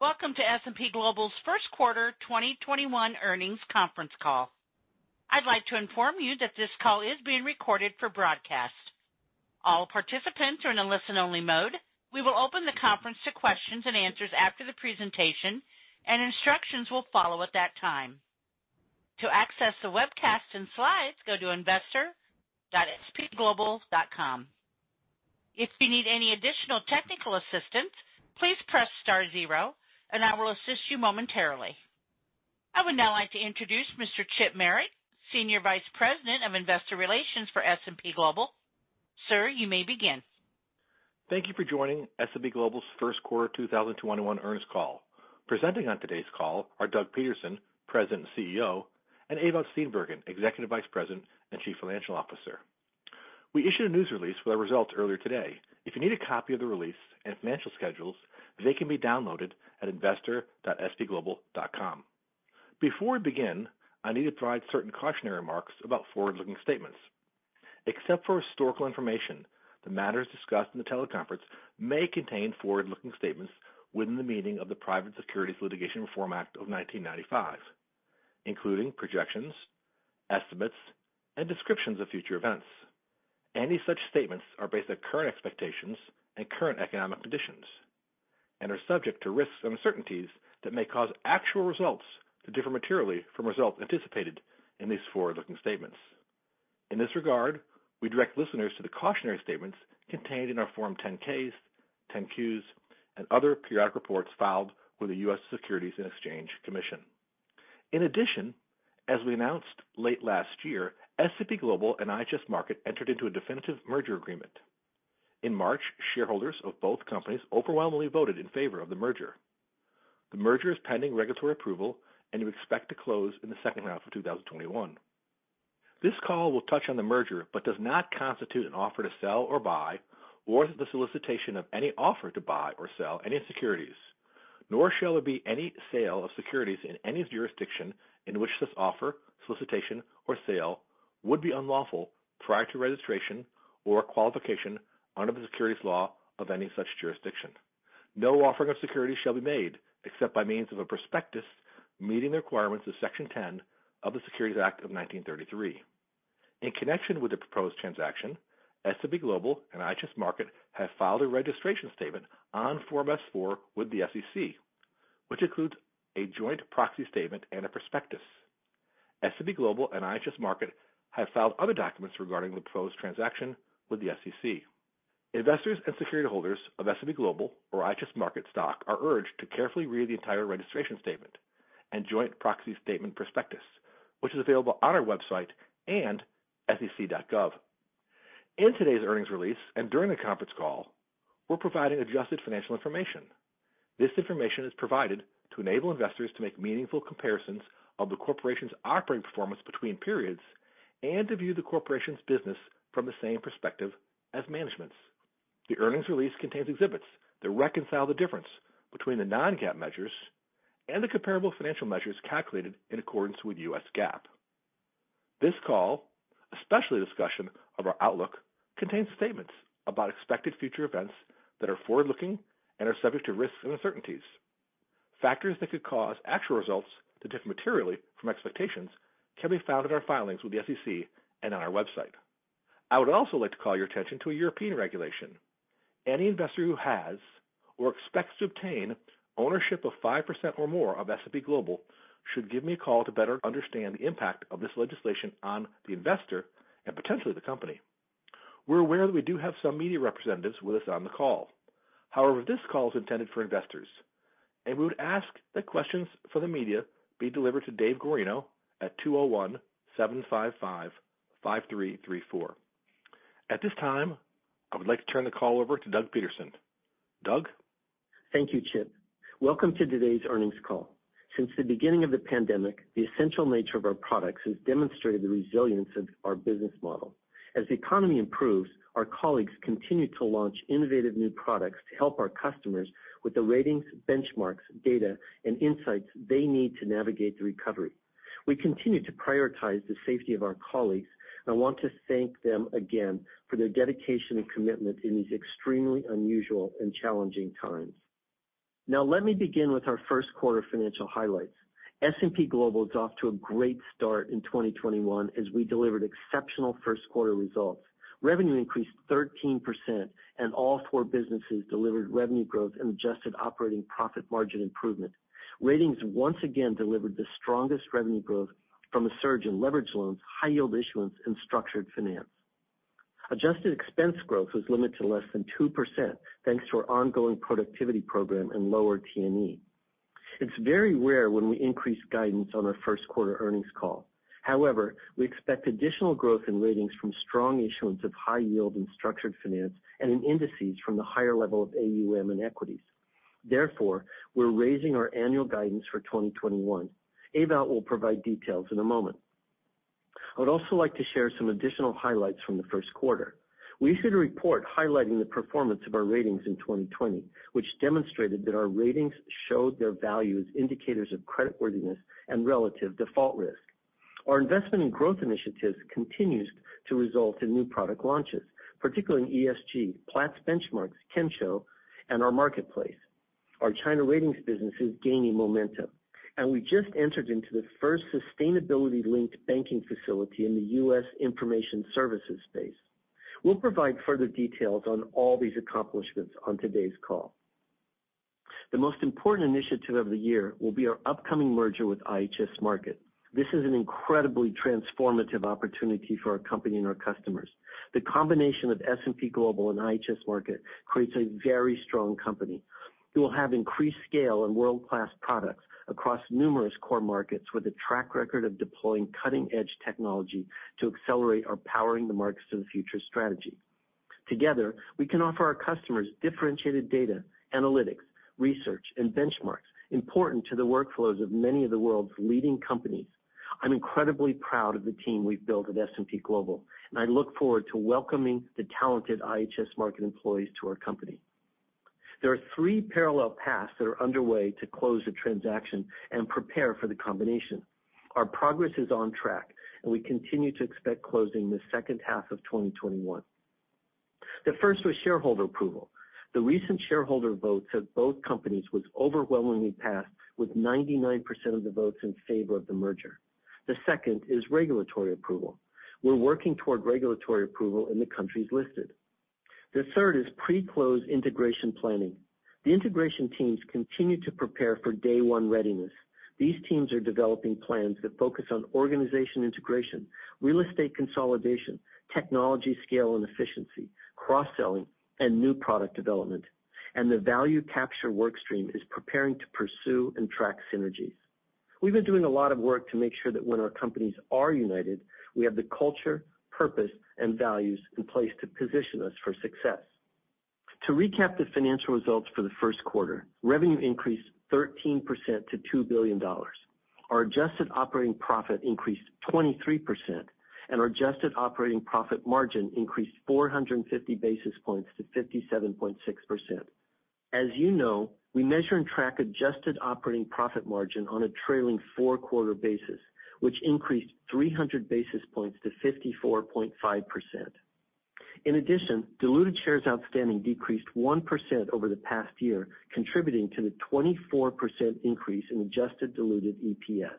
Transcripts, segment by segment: Welcome to S&P Global's first-quarter 2021 earnings conference call. I'd like to inform you that this call is being recorded for broadcast. All participants are in a listen-only mode. We will open the conference to questions and answers after the presentation, and instructions will follow at that time. To access the webcast and slides, go to investor.spglobal.com. If you need any additional technical assistance, please press star zero and I will assist you momentarily. I would now like to introduce Mr. Chip Merritt, Senior Vice President of Investor Relations for S&P Global. Sir, you may begin. Thank you for joining S&P Global's first-quarter 2021 earnings call. Presenting on today's call are Doug Peterson, President nd CEO, and Ewout Steenbergen, Executive Vice President and Chief Financial Officer. We issued a news release with our results earlier today. If you need a copy of the release and financial schedules, they can be downloaded at investor.spglobal.com. Before we begin, I need to provide certain cautionary remarks about forward-looking statements. Except for historical information, the matters discussed in the teleconference may contain forward-looking statements within the meaning of the Private Securities Litigation Reform Act of 1995, including projections, estimates, and descriptions of future events. Any such statements are based on current expectations and current economic conditions and are subject to risks and uncertainties that may cause actual results to differ materially from results anticipated in these forward-looking statements. In this regard, we direct listeners to the cautionary statements contained in our Form 10-Ks, 10-Qs, and other periodic reports filed with the U.S. Securities and Exchange Commission. In addition, as we announced late last year, S&P Global and IHS Markit entered into a definitive merger agreement. In March, shareholders of both companies overwhelmingly voted in favor of the merger. The merger is pending regulatory approval and we expect to close in the second half of 2021. This call will touch on the merger, but does not constitute an offer to sell or buy, or is it the solicitation of any offer to buy or sell any securities, nor shall there be any sale of securities in any jurisdiction in which this offer, solicitation or sale would be unlawful prior to registration or qualification under the securities law of any such jurisdiction. No offering of securities shall be made except by means of a prospectus meeting the requirements of Section 10 of the Securities Act of 1933. In connection with the proposed transaction, S&P Global and IHS Markit have filed a registration statement on Form S-4 with the SEC, which includes a joint proxy statement and a prospectus. S&P Global and IHS Markit have filed other documents regarding the proposed transaction with the SEC. Investors and security holders of S&P Global or IHS Markit stock are urged to carefully read the entire registration statement and joint proxy statement prospectus, which is available on our website and sec.gov. In today's earnings release and during the conference call, we're providing adjusted financial information. This information is provided to enable investors to make meaningful comparisons of the corporation's operating performance between periods, to view the corporation's business from the same perspective as management's. The earnings release contains exhibits that reconcile the difference between the non-GAAP measures and the comparable financial measures calculated in accordance with U.S. GAAP. This call, especially the discussion of our outlook, contains statements about expected future events that are forward-looking and are subject to risks and uncertainties. Factors that could cause actual results to differ materially from expectations can be found in our filings with the SEC and on our website. I would also like to call your attention to a European regulation. Any investor who has or expects to obtain ownership of 5% or more of S&P Global, should give me a call to better understand the impact of this legislation on the investor and potentially the company. We're aware that we do have some media representatives with us on the call. This call is intended for investors, and we would ask that questions for the media be delivered to Dave Guarino at 201-755-5334. At this time, I would like to turn the call over to Doug Peterson. Doug? Thank you, Chip. Welcome to today's earnings call. Since the beginning of the pandemic, the essential nature of our products has demonstrated the resilience of our business model. As the economy improves, our colleagues continue to launch innovative new products to help our customers with the Ratings, benchmarks, data, and insights they need to navigate the recovery. We continue to prioritize the safety of our colleagues, and I want to thank them again for their dedication and commitment in these extremely unusual and challenging times. Now, let me begin with our first quarter financial highlights. S&P Global is off to a great start in 2021 as we delivered exceptional first quarter results. Revenue increased 13%, and all four businesses delivered revenue growth and adjusted operating profit margin improvement. Ratings once again delivered the strongest revenue growth from a surge in leveraged loans, high yield issuance, and structured finance. Adjusted expense growth was limited to less than 2% thanks to our ongoing productivity program and lower T&E. It's very rare when we increase guidance on our first-quarter earnings call. We expect additional growth in ratings from strong issuance of high yield and structured finance and in indices from the higher level of AUM and equities. We're raising our annual guidance for 2021. Ewout will provide details in a moment. I would also like to share some additional highlights from the first quarter. We issued a report highlighting the performance of our ratings in 2020, which demonstrated that our ratings showed their value as indicators of creditworthiness and relative default risk. Our investment in growth initiatives continues to result in new product launches, particularly in ESG, Platts Benchmarks, Kensho, and our marketplace. Our China ratings business is gaining momentum. We just entered into the first sustainability-linked banking facility in the U.S. information services space. We'll provide further details on all these accomplishments on today's call. The most important initiative of the year will be our upcoming merger with IHS Markit. This is an incredibly transformative opportunity for our company and our customers. The combination of S&P Global and IHS Markit creates a very strong company. We will have increased scale and world-class products across numerous core markets with a track record of deploying cutting-edge technology to accelerate our Powering the Markets of the Future strategy. Together, we can offer our customers differentiated data, analytics, research, and benchmarks important to the workflows of many of the world's leading companies. I'm incredibly proud of the team we've built at S&P Global, I look forward to welcoming the talented IHS Markit employees to our company. There are three parallel paths that are underway to close the transaction and prepare for the combination. Our progress is on track, We continue to expect closing the second half of 2021. The first was shareholder approval. The recent shareholder votes at both companies was overwhelmingly passed with 99% of the votes in favor of the merger. The second is regulatory approval. We're working toward regulatory approval in the countries listed. The third is pre-close integration planning. The integration teams continue to prepare for day one readiness. These teams are developing plans that focus on organization integration, real estate consolidation, technology scale and efficiency, cross-selling, and new product development. The value capture work stream is preparing to pursue and track synergies. We've been doing a lot of work to make sure that when our companies are united, we have the culture, purpose, and values in place to position us for success. To recap the financial results for the first quarter, revenue increased 13% to $2 billion. Our adjusted operating profit increased 23%, and our adjusted operating profit margin increased 450 basis points to 57.6%. As you know, we measure and track adjusted operating profit margin on a trailing four-quarter basis, which increased 300 basis points to 54.5%. In addition, diluted shares outstanding decreased 1% over the past year, contributing to the 24% increase in adjusted diluted EPS.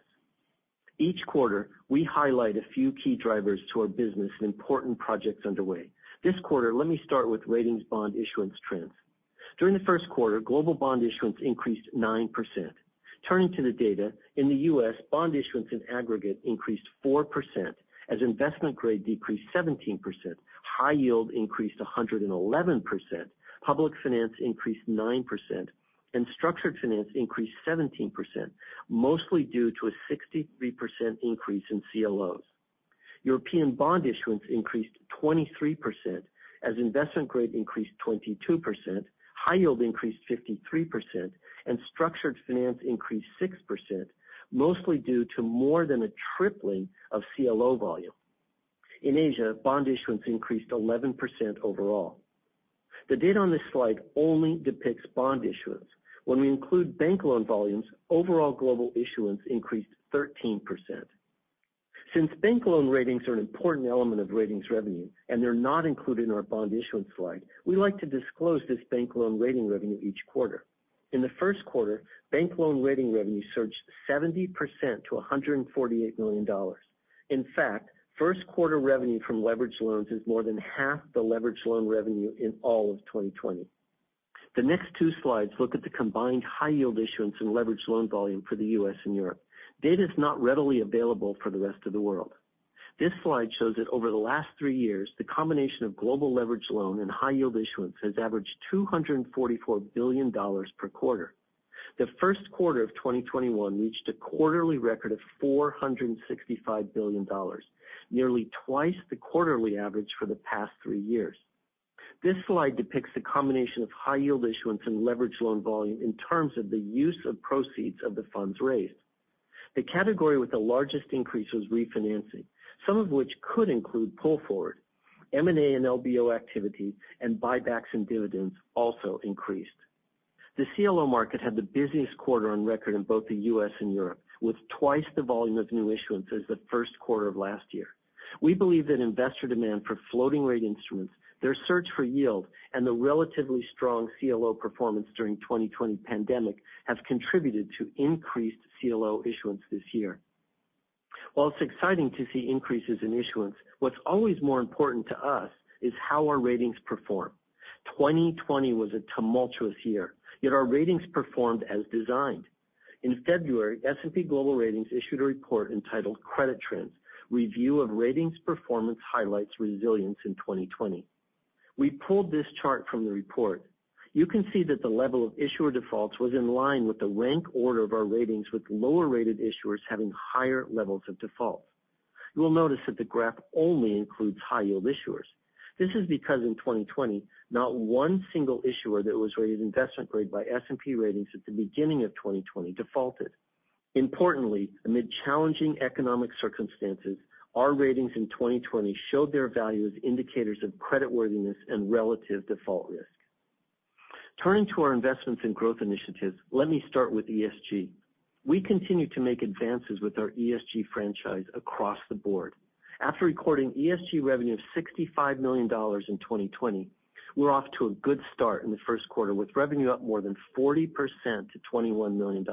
Each quarter, we highlight a few key drivers to our business and important projects underway. This quarter, let me start with ratings bond issuance trends. During the first quarter, global bond issuance increased 9%. Turning to the data, in the U.S., bond issuance in aggregate increased 4% as investment grade decreased 17%, high yield increased 111%, public finance increased 9%, and structured finance increased 17%, mostly due to a 63% increase in CLOs. European bond issuance increased 23% as investment grade increased 22%, high yield increased 53%, and structured finance increased 6%, mostly due to more than a tripling of CLO volume. In Asia, bond issuance increased 11% overall. The data on this slide only depicts bond issuance. When we include bank loan volumes, overall global issuance increased 13%. Since bank loan ratings are an important element of ratings revenue and they're not included in our bond issuance slide, we like to disclose this bank loan rating revenue each quarter. In the first quarter, bank loan rating revenue surged 70% to $148 million. In fact, first quarter revenue from leveraged loans is more than half the leveraged loan revenue in all of 2020. The next two slides look at the combined high yield issuance and leveraged loan volume for the U.S. and Europe. Data's not readily available for the rest of the world. This slide shows that over the last three years, the combination of global leveraged loan and high yield issuance has averaged $244 billion per quarter. The first quarter of 2021 reached a quarterly record of $465 billion, nearly twice the quarterly average for the past three years. This slide depicts the combination of high yield issuance and leveraged loan volume in terms of the use of proceeds of the funds raised. The category with the largest increase was refinancing, some of which could include pull forward. M&A and LBO activity and buybacks and dividends also increased. The CLO market had the busiest quarter on record in both the U.S. and Europe, with twice the volume of new issuance as the first quarter of last year. We believe that investor demand for floating rate instruments, their search for yield, and the relatively strong CLO performance during 2020 pandemic has contributed to increased CLO issuance this year. While it's exciting to see increases in issuance, what's always more important to us is how our ratings perform. 2020 was a tumultuous year, yet our ratings performed as designed. In February, S&P Global Ratings issued a report entitled Credit Trends: Review of Ratings Performance Highlights Resilience in 2020. We pulled this chart from the report. You can see that the level of issuer defaults was in line with the rank order of our ratings, with lower-rated issuers having higher levels of defaults. You will notice that the graph only includes high yield issuers. This is because in 2020, not one single issuer that was rated investment grade by S&P ratings at the beginning of 2020 defaulted. Importantly, amid challenging economic circumstances, our ratings in 2020 showed their value as indicators of credit worthiness and relative default risk. Turning to our investments and growth initiatives, let me start with ESG. We continue to make advances with our ESG franchise across the board. After recording ESG revenue of $65 million in 2020, we are off to a good start in the first quarter, with revenue up more than 40% to $21 million.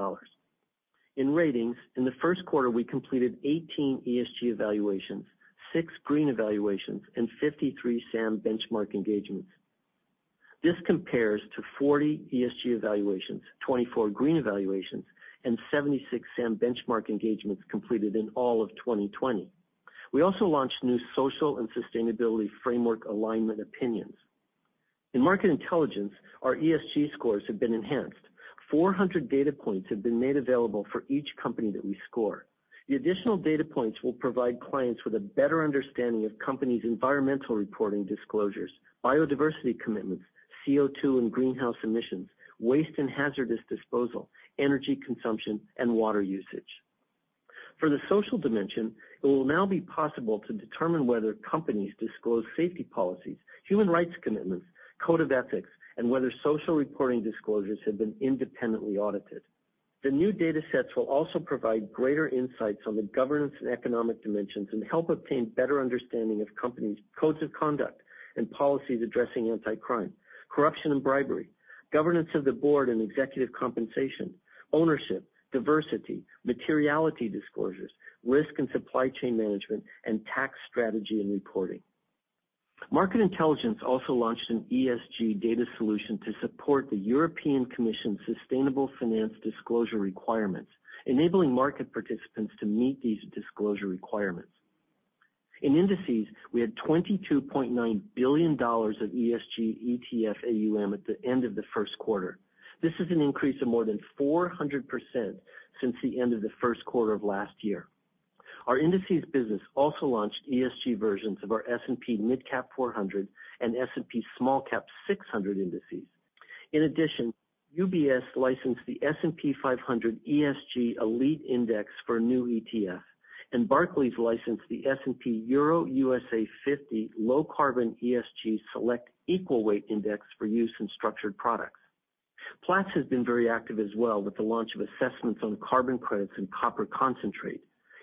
In ratings, in the first quarter, we completed 18 ESG evaluations, six green evaluations, and 53 SAM benchmark engagements. This compares to 40 ESG evaluations, 24 green evaluations, and 76 SAM benchmark engagements completed in all of 2020. We also launched new social and sustainability framework alignment opinions. In Market Intelligence, our ESG scores have been enhanced. 400 data points have been made available for each company that we score. The additional data points will provide clients with a better understanding of companies' environmental reporting disclosures, biodiversity commitments, CO2 and greenhouse emissions, waste and hazardous disposal, energy consumption, and water usage. For the social dimension, it will now be possible to determine whether companies disclose safety policies, human rights commitments, code of ethics, and whether social reporting disclosures have been independently audited. The new datasets will also provide greater insights on the governance and economic dimensions and help obtain better understanding of companies' codes of conduct and policies addressing anti-crime, corruption and bribery, governance of the board and executive compensation, ownership, diversity, materiality disclosures, risk and supply chain management, and tax strategy and reporting. Market Intelligence also launched an ESG data solution to support the European Commission sustainable finance disclosure requirements, enabling market participants to meet these disclosure requirements. In indices, we had $22.9 billion of ESG ETF AUM at the end of the first quarter. This is an increase of more than 400% since the end of the first quarter of last year. Our indices business also launched ESG versions of our S&P MidCap 400 and S&P SmallCap 600 indices. In addition, UBS licensed the S&P 500 ESG Elite Index for a new ETF, and Barclays licensed the S&P EuroUSA 50 Low Carbon ESG Select Equal Weight Index for use in structured products. Platts has been very active as well with the launch of assessments on carbon credits and copper concentrate.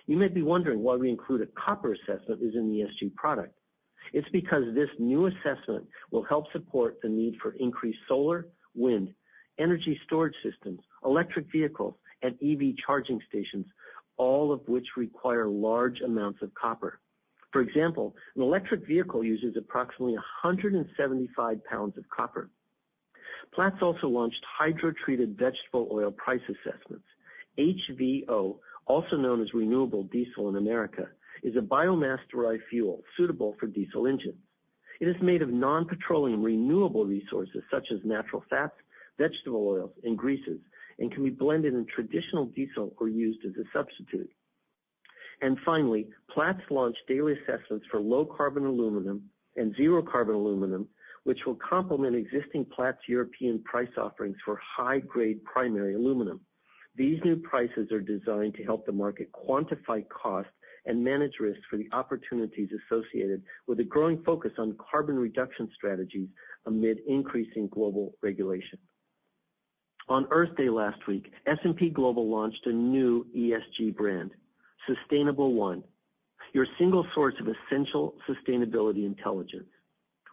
You may be wondering why we include a copper assessment as an ESG product. It's because this new assessment will help support the need for increased solar, wind, energy storage systems, electric vehicles, and EV charging stations, all of which require large amounts of copper. For example, an electric vehicle uses approximately 175 pounds of copper. Platts also launched Hydrotreated Vegetable Oil price assessments. HVO, also known as renewable diesel in America, is a biomass-derived fuel suitable for diesel engines. It is made of non-petroleum renewable resources such as natural fats, vegetable oils, and greases, and can be blended in traditional diesel or used as a substitute. Finally, Platts launched daily assessments for low carbon aluminum and zero carbon aluminum, which will complement existing Platts European price offerings for high-grade primary aluminum. These new prices are designed to help the market quantify cost and manage risk for the opportunities associated with a growing focus on carbon reduction strategies amid increasing global regulation. On Earth Day last week, S&P Global launched a new ESG brand, Sustainable1, your single source of essential sustainability intelligence.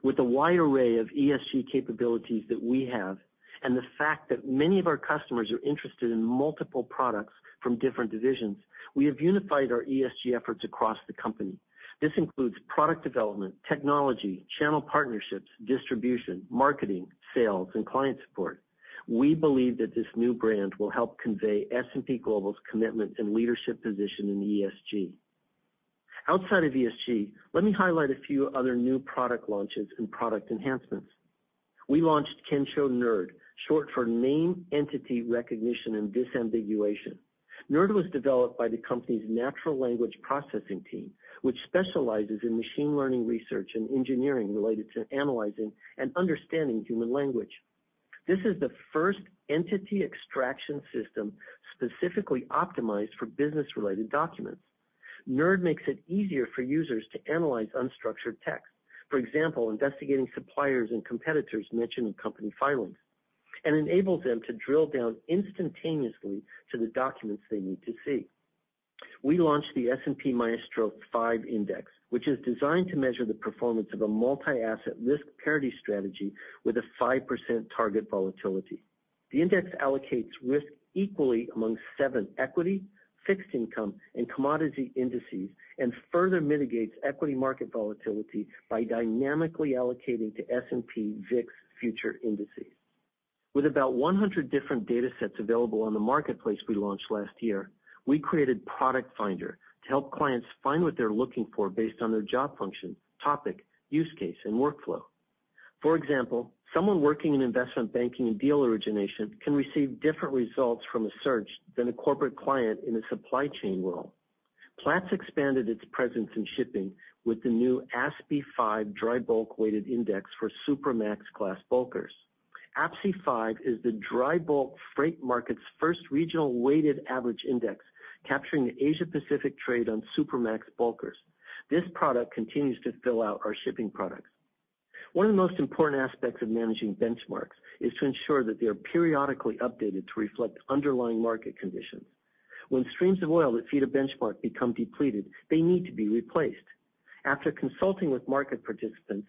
With the wide array of ESG capabilities that we have and the fact that many of our customers are interested in multiple products from different divisions, we have unified our ESG efforts across the company. This includes product development, technology, channel partnerships, distribution, marketing, sales, and client support. We believe that this new brand will help convey S&P Global's commitment and leadership position in ESG. Outside of ESG, let me highlight a few other new product launches and product enhancements. We launched Kensho NERD, short for Named Entity Recognition and Disambiguation. NERD was developed by the company's natural language processing team, which specializes in machine learning research and engineering related to analyzing and understanding human language. This is the first entity extraction system specifically optimized for business-related documents. NERD makes it easier for users to analyze unstructured text. For example, investigating suppliers and competitors mentioned in company filings, and enables them to drill down instantaneously to the documents they need to see. We launched the S&P MAESTRO 5 Index, which is designed to measure the performance of a multi-asset risk parity strategy with a 5% target volatility. The index allocates risk equally among seven equity, fixed income, and commodity indices and further mitigates equity market volatility by dynamically allocating to S&P VIX future indices. With about 100 different datasets available on the marketplace we launched last year, we created Product Finder to help clients find what they're looking for based on their job function, topic, use case, and workflow. For example, someone working in investment banking and deal origination can receive different results from a search than a corporate client in a supply chain role. Platts expanded its presence in shipping with the new APSI 5 dry bulk weighted index for Supramax class bulkers. APSI 5 is the dry bulk freight market's first regional weighted average index, capturing the Asia Pacific trade on Supramax bulkers. This product continues to fill out our shipping products. One of the most important aspects of managing benchmarks is to ensure that they are periodically updated to reflect underlying market conditions. When streams of oil that feed a benchmark become depleted, they need to be replaced. After consulting with market participants,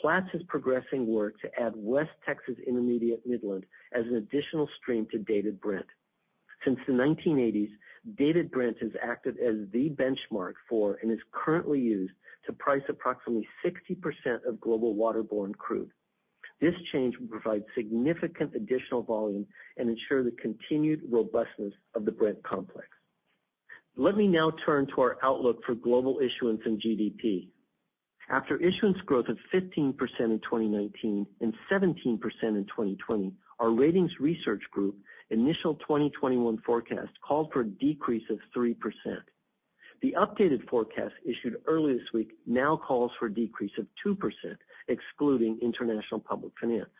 Platts is progressing work to add West Texas Intermediate Midland as an additional stream to Dated Brent. Since the 1980s, Dated Brent has acted as the benchmark for, and is currently used to price approximately 60% of global waterborne crude. This change will provide significant additional volume and ensure the continued robustness of the Brent Complex. Let me now turn to our outlook for global issuance and GDP. After issuance growth of 15% in 2019 and 17% in 2020, our Ratings research group initial 2021 forecast called for a decrease of 3%. The updated forecast issued early this week now calls for a decrease of 2%, excluding international public finance.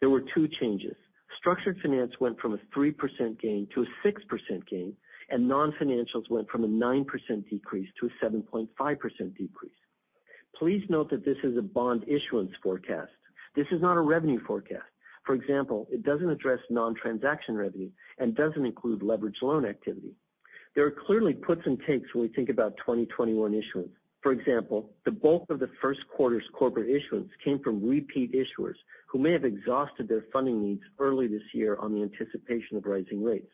There were two changes. Structured finance went from a 3% gain to a 6% gain, and non-financials went from a 9% decrease to a 7.5% decrease. Please note that this is a bond issuance forecast. This is not a revenue forecast. For example, it doesn't address non-transaction revenue and doesn't include leverage loan activity. There are clearly puts and takes when we think about 2021 issuance. For example, the bulk of the first quarter's corporate issuance came from repeat issuers who may have exhausted their funding needs early this year on the anticipation of rising rates.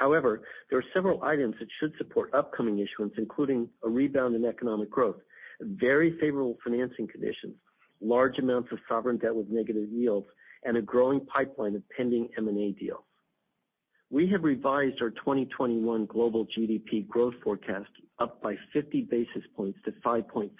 There are several items that should support upcoming issuance, including a rebound in economic growth, very favorable financing conditions, large amounts of sovereign debt with negative yields, and a growing pipeline of pending M&A deals. We have revised our 2021 global GDP growth forecast up by 50 basis points to 5.5%.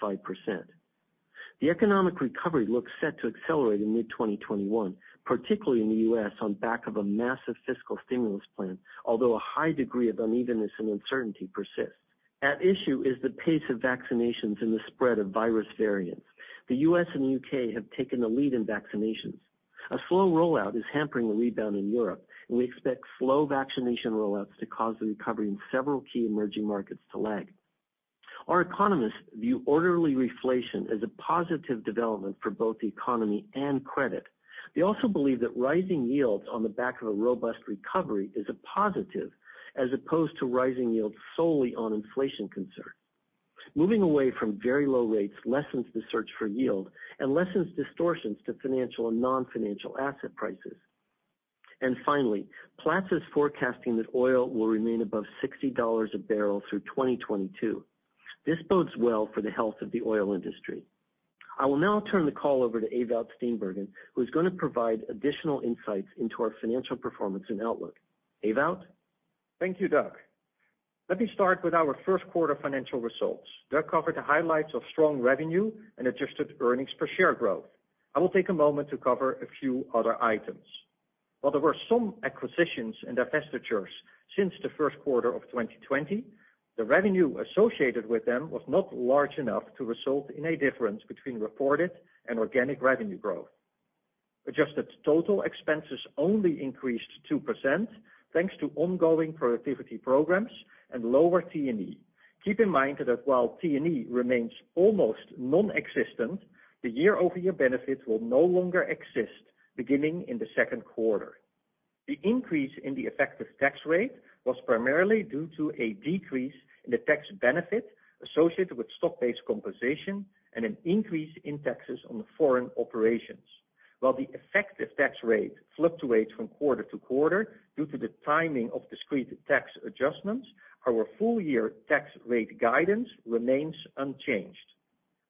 The economic recovery looks set to accelerate in mid-2021, particularly in the U.S. on back of a massive fiscal stimulus plan, although a high degree of unevenness and uncertainty persists. At issue is the pace of vaccinations and the spread of virus variants. The U.S. and U.K. have taken the lead in vaccinations. A slow rollout is hampering the rebound in Europe, we expect slow vaccination rollouts to cause the recovery in several key emerging markets to lag. Our economists view orderly reflation as a positive development for both the economy and credit. They also believe that rising yields on the back of a robust recovery is a positive as opposed to rising yields solely on inflation concern. Moving away from very low rates lessens the search for yield and lessens distortions to financial and non-financial asset prices. Finally, Platts is forecasting that oil will remain above $60 a barrel through 2022. This bodes well for the health of the oil industry. I will now turn the call over to Ewout Steenbergen, who's going to provide additional insights into our financial performance and outlook. Ewout? Thank you, Doug. Let me start with our first quarter financial results. Doug covered the highlights of strong revenue and adjusted earnings per share growth. I will take a moment to cover a few other items. While there were some acquisitions and divestitures since the first quarter of 2020, the revenue associated with them was not large enough to result in a difference between reported and organic revenue growth. Adjusted total expenses only increased 2% thanks to ongoing productivity programs and lower T&E. Keep in mind that while T&E remains almost non-existent, the year-over-year benefits will no longer exist beginning in the second quarter. The increase in the effective tax rate was primarily due to a decrease in the tax benefit associated with stock-based compensation and an increase in taxes on foreign operations. While the effective tax rate fluctuates from quarter to quarter due to the timing of discrete tax adjustments, our full-year tax rate guidance remains unchanged.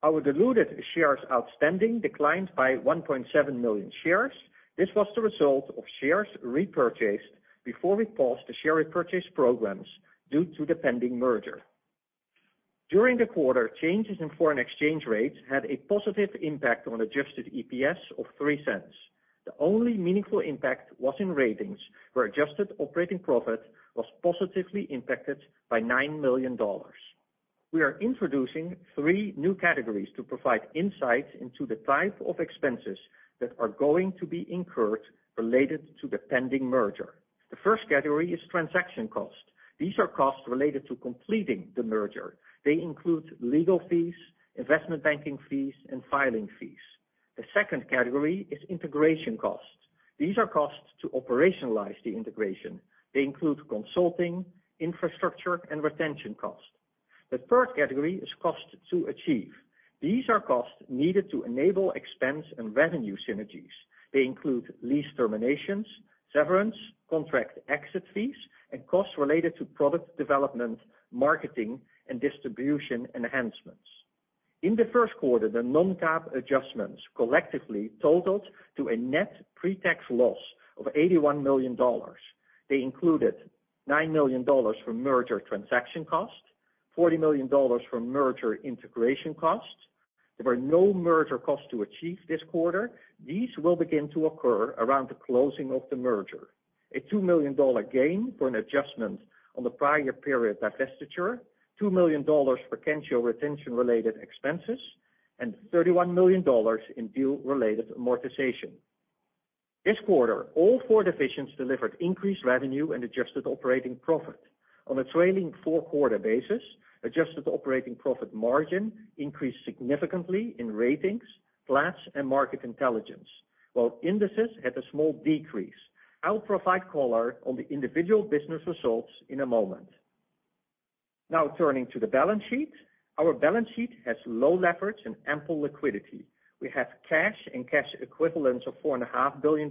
Our diluted shares outstanding declined by 1.7 million shares. This was the result of shares repurchased before we paused the share repurchase programs due to the pending merger. During the quarter, changes in foreign exchange rates had a positive impact on adjusted EPS of $0.03. The only meaningful impact was in Ratings, where adjusted operating profit was positively impacted by $9 million. We are introducing three new categories to provide insights into the type of expenses that are going to be incurred related to the pending merger. The first category is transaction cost. These are costs related to completing the merger. They include legal fees, investment banking fees, and filing fees. The second category is integration cost. These are costs to operationalize the integration. They include consulting, infrastructure, and retention cost. The third category is cost to achieve. These are costs needed to enable expense and revenue synergies. They include lease terminations, severance, contract exit fees, and costs related to product development, marketing, and distribution enhancements. In the first quarter, the non-GAAP adjustments collectively totaled to a net pre-tax loss of $81 million. They included $9 million from merger transaction costs, $40 million from merger integration costs. There were no merger costs to achieve this quarter. These will begin to occur around the closing of the merger. A $2 million gain for an adjustment on the prior period divestiture, $2 million for Kensho retention-related expenses, and $31 million in deal-related amortization. This quarter, all four divisions delivered increased revenue and adjusted operating profit. On a trailing four-quarter basis, adjusted operating profit margin increased significantly in ratings, Platts, and Market Intelligence, while indices had a small decrease. I'll provide color on the individual business results in a moment. Turning to the balance sheet. Our balance sheet has low leverage and ample liquidity. We have cash and cash equivalents of $4.5 billion,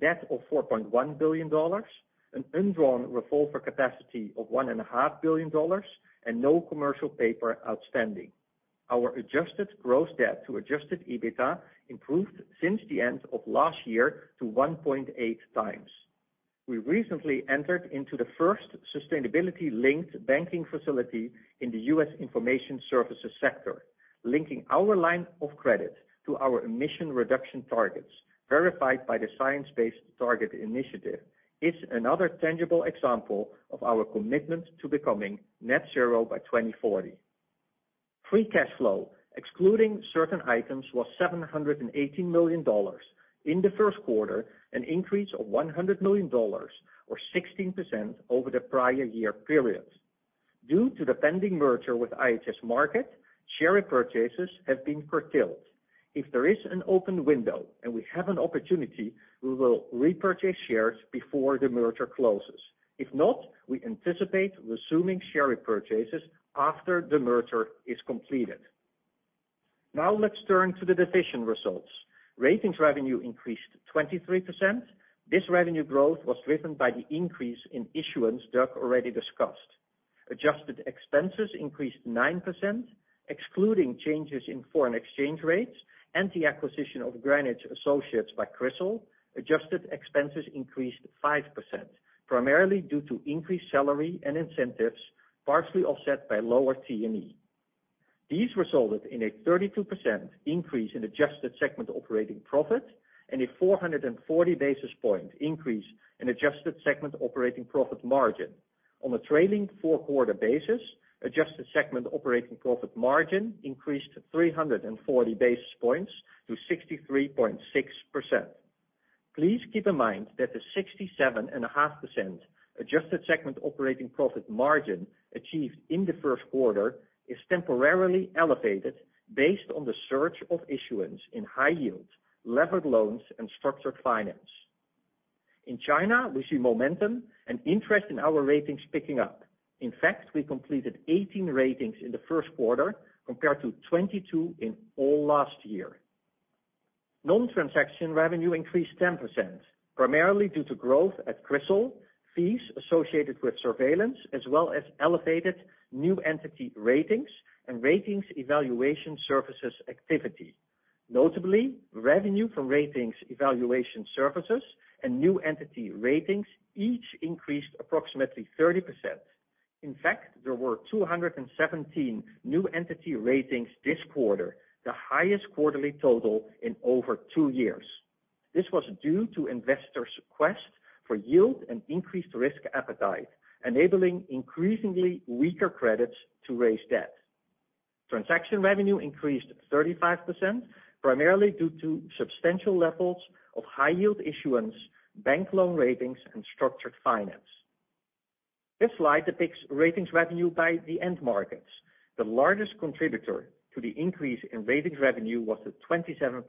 debt of $4.1 billion, an undrawn revolver capacity of $1.5 billion, and no commercial paper outstanding. Our adjusted gross debt to adjusted EBITDA improved since the end of last year to 1.8 times. We recently entered into the first sustainability-linked banking facility in the U.S. information services sector. Linking our line of credit to our emission reduction targets, verified by the Science Based Targets initiative, is another tangible example of our commitment to becoming net zero by 2040. Free cash flow, excluding certain items, was $718 million. In the first quarter, an increase of $100 million, or 16% over the prior year period. Due to the pending merger with IHS Markit, share purchases have been curtailed. If there is an open window and we have an opportunity, we will repurchase shares before the merger closes. If not, we anticipate resuming share repurchases after the merger is completed. Let's turn to the division results. Ratings revenue increased 23%. This revenue growth was driven by the increase in issuance Doug already discussed. Adjusted expenses increased 9%, excluding changes in foreign exchange rates and the acquisition of Greenwich Associates by CRISIL, adjusted expenses increased 5%, primarily due to increased salary and incentives, partially offset by lower T&E. These resulted in a 32% increase in adjusted segment operating profit and a 440 basis point increase in adjusted segment operating profit margin. On a trailing four-quarter basis, adjusted segment operating profit margin increased 340 basis points to 63.6%. Please keep in mind that the 67.5% adjusted segment operating profit margin achieved in the first quarter is temporarily elevated based on the surge of issuance in high yield levered loans and structured finance. In China, we see momentum and interest in our ratings picking up. In fact, we completed 18 ratings in the first quarter, compared to 22 in all last year. Non-transaction revenue increased 10%, primarily due to growth at CRISIL, fees associated with surveillance, as well as elevated new entity ratings and ratings evaluation services activity. Notably, revenue from ratings evaluation services and new entity ratings each increased approximately 30%. In fact, there were 217 new entity ratings this quarter, the highest quarterly total in over two years. This was due to investors' quest for yield and increased risk appetite, enabling increasingly weaker credits to raise debt. Transaction revenue increased 35%, primarily due to substantial levels of high yield issuance, bank loan ratings, and structured finance. This slide depicts ratings revenue by the end markets. The largest contributor to the increase in ratings revenue was the 27%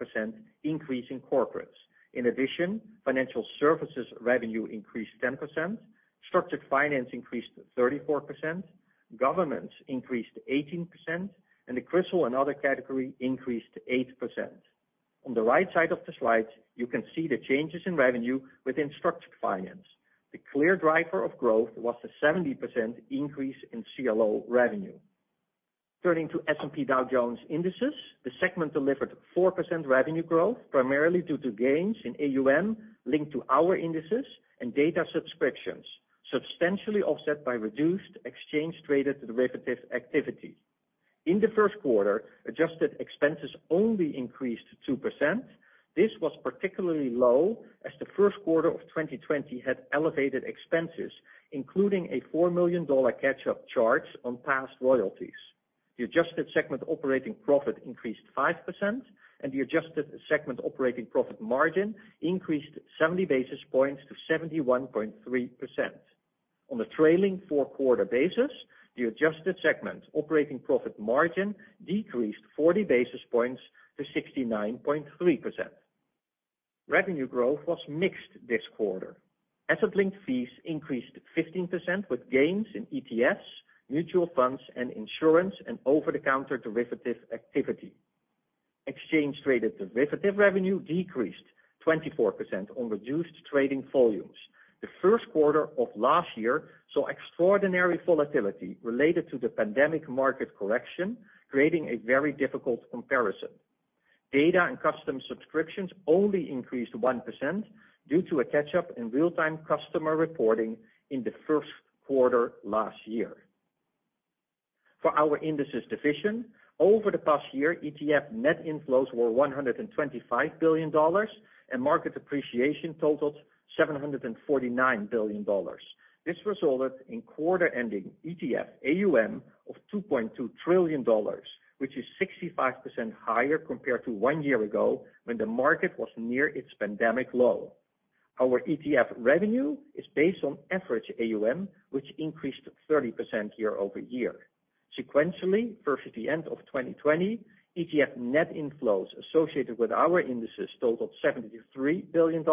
increase in corporates. In addition, financial services revenue increased 10%, structured finance increased 34%, governments increased 18%, and the CRISIL and other category increased 8%. On the right side of the slide, you can see the changes in revenue within structured finance. The clear driver of growth was the 70% increase in CLO revenue. Turning to S&P Dow Jones Indices, the segment delivered 4% revenue growth, primarily due to gains in AUM linked to our indices and data subscriptions, substantially offset by reduced exchange traded derivative activity. In the first quarter, adjusted expenses only increased 2%. This was particularly low as the first quarter of 2020 had elevated expenses, including a $4 million catch-up charge on past royalties. The adjusted segment operating profit increased 5%, and the adjusted segment operating profit margin increased 70 basis points to 71.3%. On a trailing four-quarter basis, the adjusted segment operating profit margin decreased 40 basis points to 69.3%. Revenue growth was mixed this quarter. Asset-linked fees increased 15% with gains in ETFs, mutual funds and insurance and over-the-counter derivative activity. Exchange traded derivative revenue decreased 24% on reduced trading volumes. The first quarter of last year saw extraordinary volatility related to the pandemic market correction, creating a very difficult comparison. Data and custom subscriptions only increased 1% due to a catch-up in real-time customer reporting in the first quarter last year. For our indices division, over the past year, ETF net inflows were $125 billion, and market appreciation totaled $749 billion. This resulted in quarter-ending ETF AUM of $2.2 trillion, which is 65% higher compared to one year ago when the market was near its pandemic low. Our ETF revenue is based on average AUM, which increased 30% year-over-year. Sequentially, versus the end of 2020, ETF net inflows associated with our indices totaled $73 billion,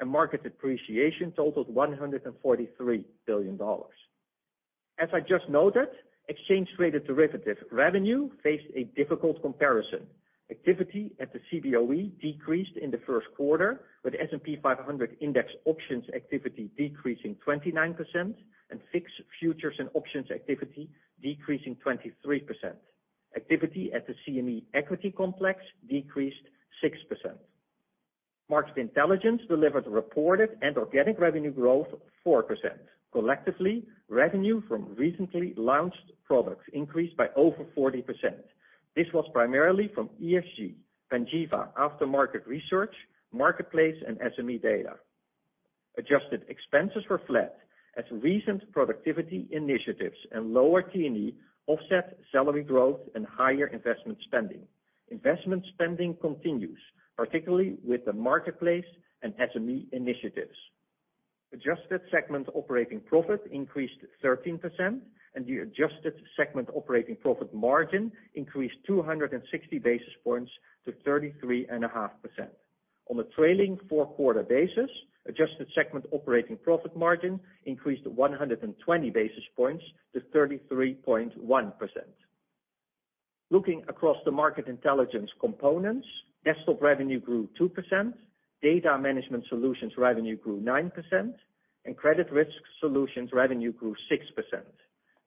and market appreciation totaled $143 billion. As I just noted, exchange-traded derivative revenue faced a difficult comparison. Activity at the Cboe decreased in the first quarter, with S&P 500 index options activity decreasing 29%, and VIX futures and options activity decreasing 23%. Activity at the CME equity complex decreased 6%. Market Intelligence delivered reported and organic revenue growth 4%. Collectively, revenue from recently launched products increased by over 40%. This was primarily from ESG, Panjiva, Aftermarket Research, Marketplace, and SME data. Adjusted expenses were flat as recent productivity initiatives and lower T&E offset salary growth and higher investment spending. Investment spending continues, particularly with the Marketplace and SME initiatives. Adjusted segment operating profit increased 13%, and the adjusted segment operating profit margin increased 260 basis points to 33.5%. On a trailing four-quarter basis, adjusted segment operating profit margin increased 120 basis points to 33.1%. Looking across the Market Intelligence components, desktop revenue grew 2%, data management solutions revenue grew 9%, and credit risk solutions revenue grew 6%.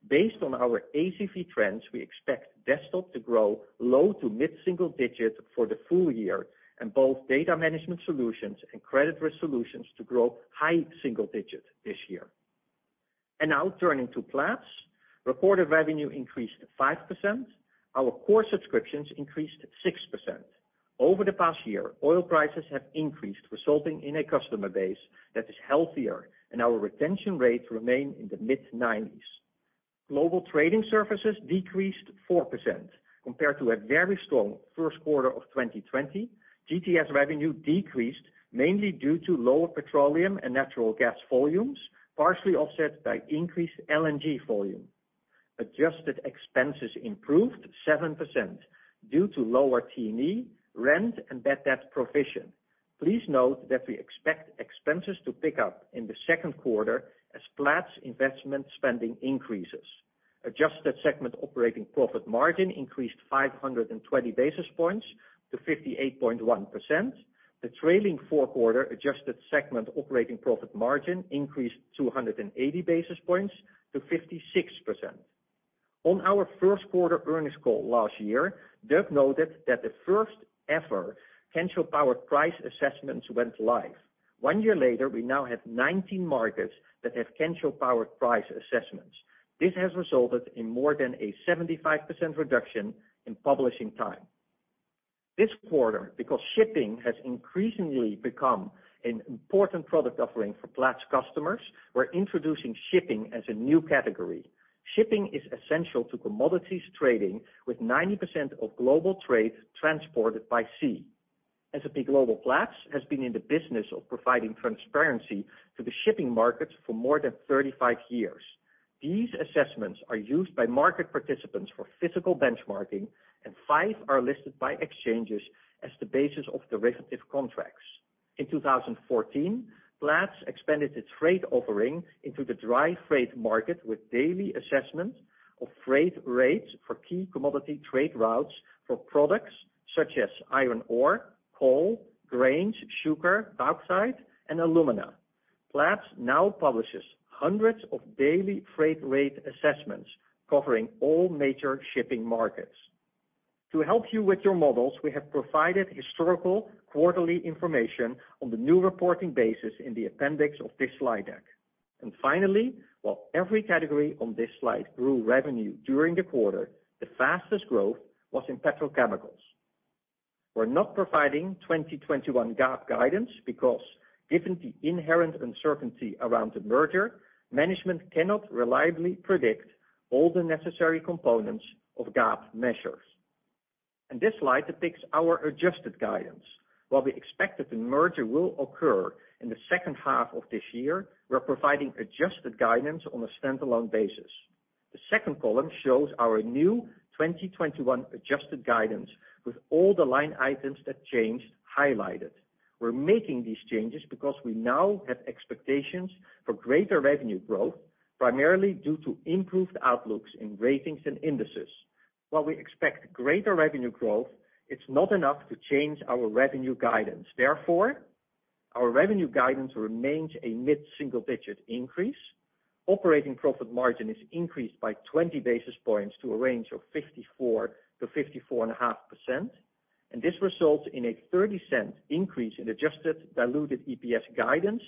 Based on our ACV trends, we expect desktop to grow low to mid single digits for the full year, and both data management solutions and credit risk solutions to grow high single digits this year. Now turning to Platts. Reported revenue increased 5%. Our core subscriptions increased 6%. Over the past year, oil prices have increased, resulting in a customer base that is healthier, and our retention rates remain in the mid-90s. Global trading services decreased 4% compared to a very strong first quarter of 2020. GTS revenue decreased mainly due to lower petroleum and natural gas volumes, partially offset by increased LNG volume. Adjusted expenses improved 7% due to lower T&E, rent, and bad debt provision. Please note that we expect expenses to pick up in the second quarter as Platts' investment spending increases. Adjusted segment operating profit margin increased 520 basis points to 58.1%. The trailing four-quarter adjusted segment operating profit margin increased 280 basis points to 56%. On our first quarter earnings call last year, Doug noted that the first-ever Kensho-powered price assessments went live. One year later, we now have 19 markets that have Kensho-powered price assessments. This has resulted in more than a 75% reduction in publishing time. This quarter, because shipping has increasingly become an important product offering for Platts customers, we're introducing shipping as a new category. Shipping is essential to commodities trading, with 90% of global trade transported by sea. S&P Global Platts has been in the business of providing transparency to the shipping markets for more than 35 years. These assessments are used by market participants for physical benchmarking, and five are listed by exchanges as the basis of derivative contracts. In 2014, Platts expanded its freight offering into the dry freight market with daily assessments of freight rates for key commodity trade routes for products such as iron ore, coal, grains, sugar, bauxite, and alumina. Platts now publishes hundreds of daily freight rate assessments covering all major shipping markets. To help you with your models, we have provided historical quarterly information on the new reporting basis in the appendix of this slide deck. Finally, while every category on this slide grew revenue during the quarter, the fastest growth was in petrochemicals. We're not providing 2021 GAAP guidance because, given the inherent uncertainty around the merger, management cannot reliably predict all the necessary components of GAAP measures. This slide depicts our adjusted guidance. While we expect that the merger will occur in the second half of this year, we're providing adjusted guidance on a standalone basis. The second column shows our new 2021 adjusted guidance with all the line items that changed highlighted. We're making these changes because we now have expectations for greater revenue growth, primarily due to improved outlooks in ratings and indices. While we expect greater revenue growth, it's not enough to change our revenue guidance. Therefore, our revenue guidance remains a mid-single-digit increase. Operating profit margin is increased by 20 basis points to a range of 54%-54.5%, this results in a $0.30 increase in adjusted diluted EPS guidance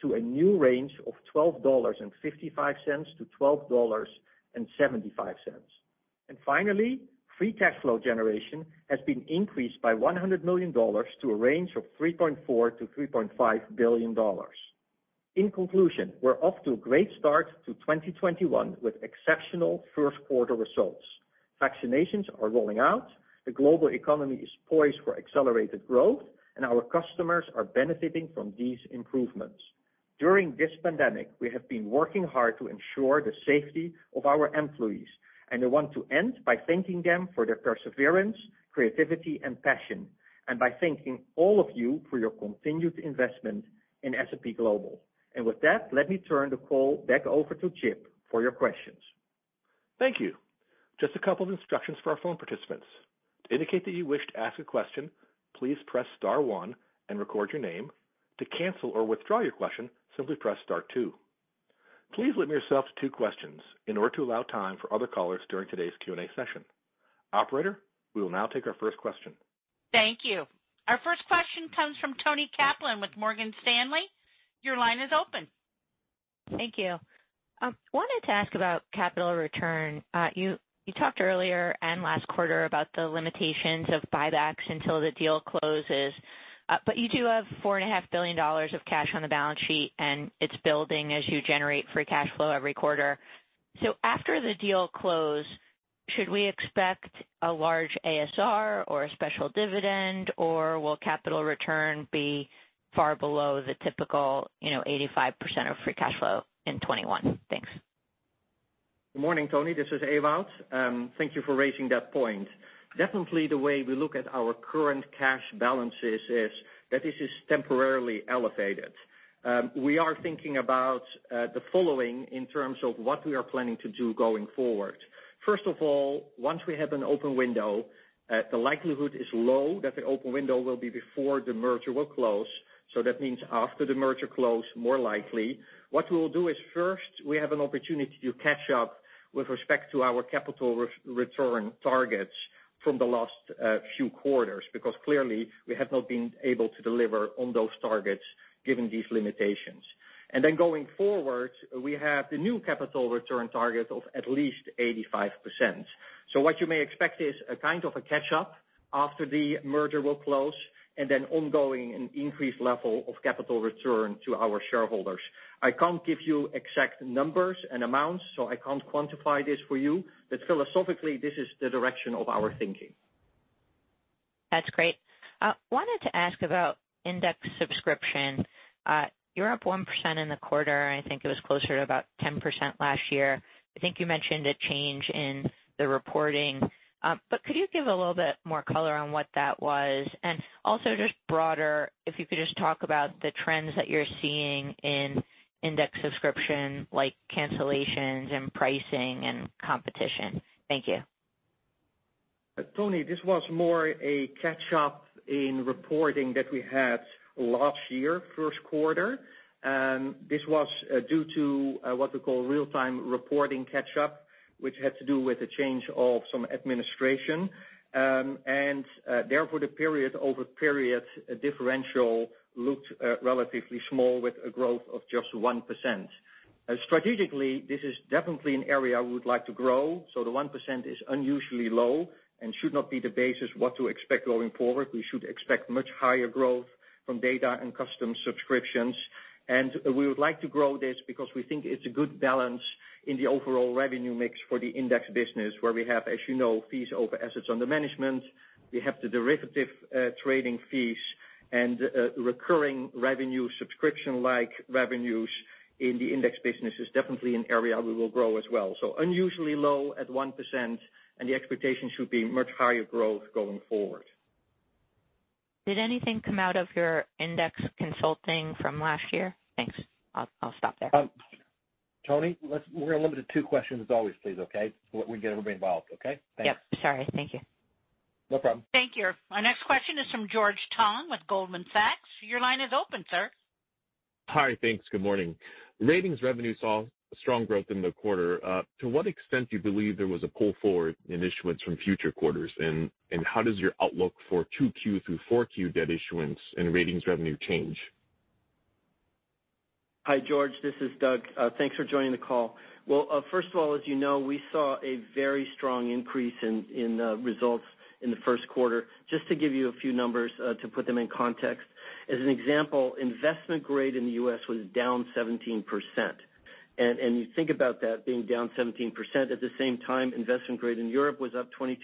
to a new range of $12.55-$12.75. Finally, free cash flow generation has been increased by $100 million to a range of $3.4 billion-$3.5 billion. In conclusion, we're off to a great start to 2021 with exceptional first quarter results. Vaccinations are rolling out, the global economy is poised for accelerated growth, our customers are benefiting from these improvements. During this pandemic, we have been working hard to ensure the safety of our employees, and I want to end by thanking them for their perseverance, creativity, and passion, and by thanking all of you for your continued investment in S&P Global. With that, let me turn the call back over to Chip for your questions. Thank you. Please limit yourself to two questions in order to allow time for other callers during today's Q&A session. Operator, we will now take our first question. Thank you. Our first question comes from Toni Kaplan with Morgan Stanley. Your line is open. Thank you. Wanted to ask about capital return. You talked earlier and last quarter about the limitations of buybacks until the deal closes. You do have $4.5 billion of cash on the balance sheet, and it's building as you generate free cash flow every quarter. After the deal close, should we expect a large ASR or a special dividend, or will capital return be far below the typical 85% of free cash flow in 2021? Thanks. Good morning, Toni. This is Ewout. Thank you for raising that point. Definitely, the way we look at our current cash balances is that this is temporarily elevated. We are thinking about the following in terms of what we are planning to do going forward. First of all, once we have an open window, the likelihood is low that the open window will be before the merger will close. That means after the merger close, more likely. What we will do is first, we have an opportunity to catch up with respect to our capital return targets from the last few quarters, because clearly, we have not been able to deliver on those targets given these limitations. Then going forward, we have the new capital return target of at least 85%. What you may expect is a kind of a catch-up after the merger will close, and then ongoing and increased level of capital return to our shareholders. I can't give you exact numbers and amounts, so I can't quantify this for you. Philosophically, this is the direction of our thinking. That's great. Wanted to ask about index subscription. You're up 1% in the quarter. I think it was closer to about 10% last year. I think you mentioned a change in the reporting. Could you give a little bit more color on what that was? Also just broader, if you could just talk about the trends that you're seeing in index subscription, like cancellations and pricing and competition. Thank you. Toni, this was more a catch-up in reporting that we had last year, first quarter. This was due to what we call real-time reporting catch-up, which had to do with the change of some administration. Therefore, the period-over-period differential looked relatively small with a growth of just 1%. Strategically, this is definitely an area we would like to grow. The 1% is unusually low and should not be the basis what to expect going forward. We should expect much higher growth from data and custom subscriptions. We would like to grow this because we think it's a good balance in the overall revenue mix for the index business where we have, as you know, fees over assets under management. We have the derivative trading fees and recurring revenue subscription-like revenues in the index business is definitely an area we will grow as well. Unusually low at 1%, and the expectation should be much higher growth going forward. Did anything come out of your index consulting from last year? Thanks. I'll stop there. Toni, we're limited to two questions as always, please, okay? That we can get everybody involved. Okay? Thanks. Yep, sorry. Thank you. No problem. Thank you. Our next question is from George Tong with Goldman Sachs. Your line is open, sir. Hi. Thanks. Good morning. Ratings revenue saw strong growth in the quarter. To what extent do you believe there was a pull forward in issuance from future quarters? How does your outlook for 2Q through 4Q debt issuance and ratings revenue change? Hi, George. This is Doug. Thanks for joining the call. Well, first of all, as you know, we saw a very strong increase in results in the first quarter. Just to give you a few numbers to put them in context. As an example, investment grade in the U.S. was down 17%. You think about that being down 17%. At the same time, investment grade in Europe was up 22%,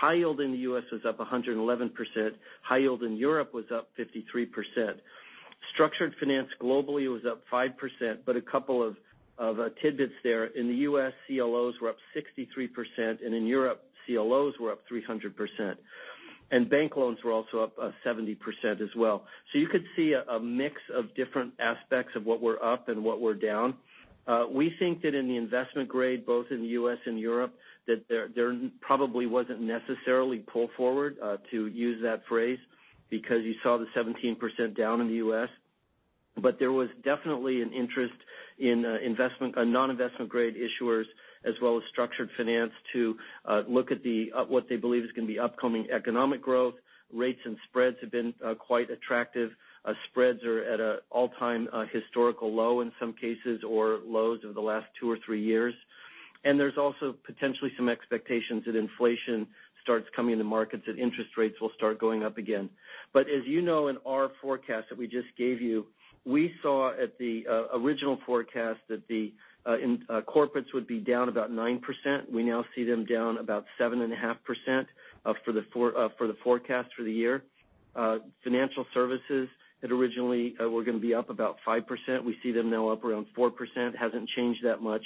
high yield in the U.S. was up 111%, high yield in Europe was up 53%. Structured finance globally was up 5%, a couple of tidbits there. In the U.S., CLOs were up 63%, in Europe, CLOs were up 300%. Bank loans were also up 70% as well. You could see a mix of different aspects of what were up and what were down. We think that in the investment grade, both in the U.S. and Europe, that there probably wasn't necessarily pull forward, to use that phrase, because you saw the 17% down in the U.S. There was definitely an interest in non-investment grade issuers as well as structured finance to look at what they believe is going to be upcoming economic growth. Rates and spreads have been quite attractive. Spreads are at an all-time historical low in some cases, or lows over the last two or three years. There's also potentially some expectations that inflation starts coming into markets, that interest rates will start going up again. As you know, in our forecast that we just gave you, we saw at the original forecast that the corporates would be down about 9%. We now see them down about 7.5% for the forecast for the year. Financial services that originally were going to be up about 5%, we see them now up around 4%. Hasn't changed that much.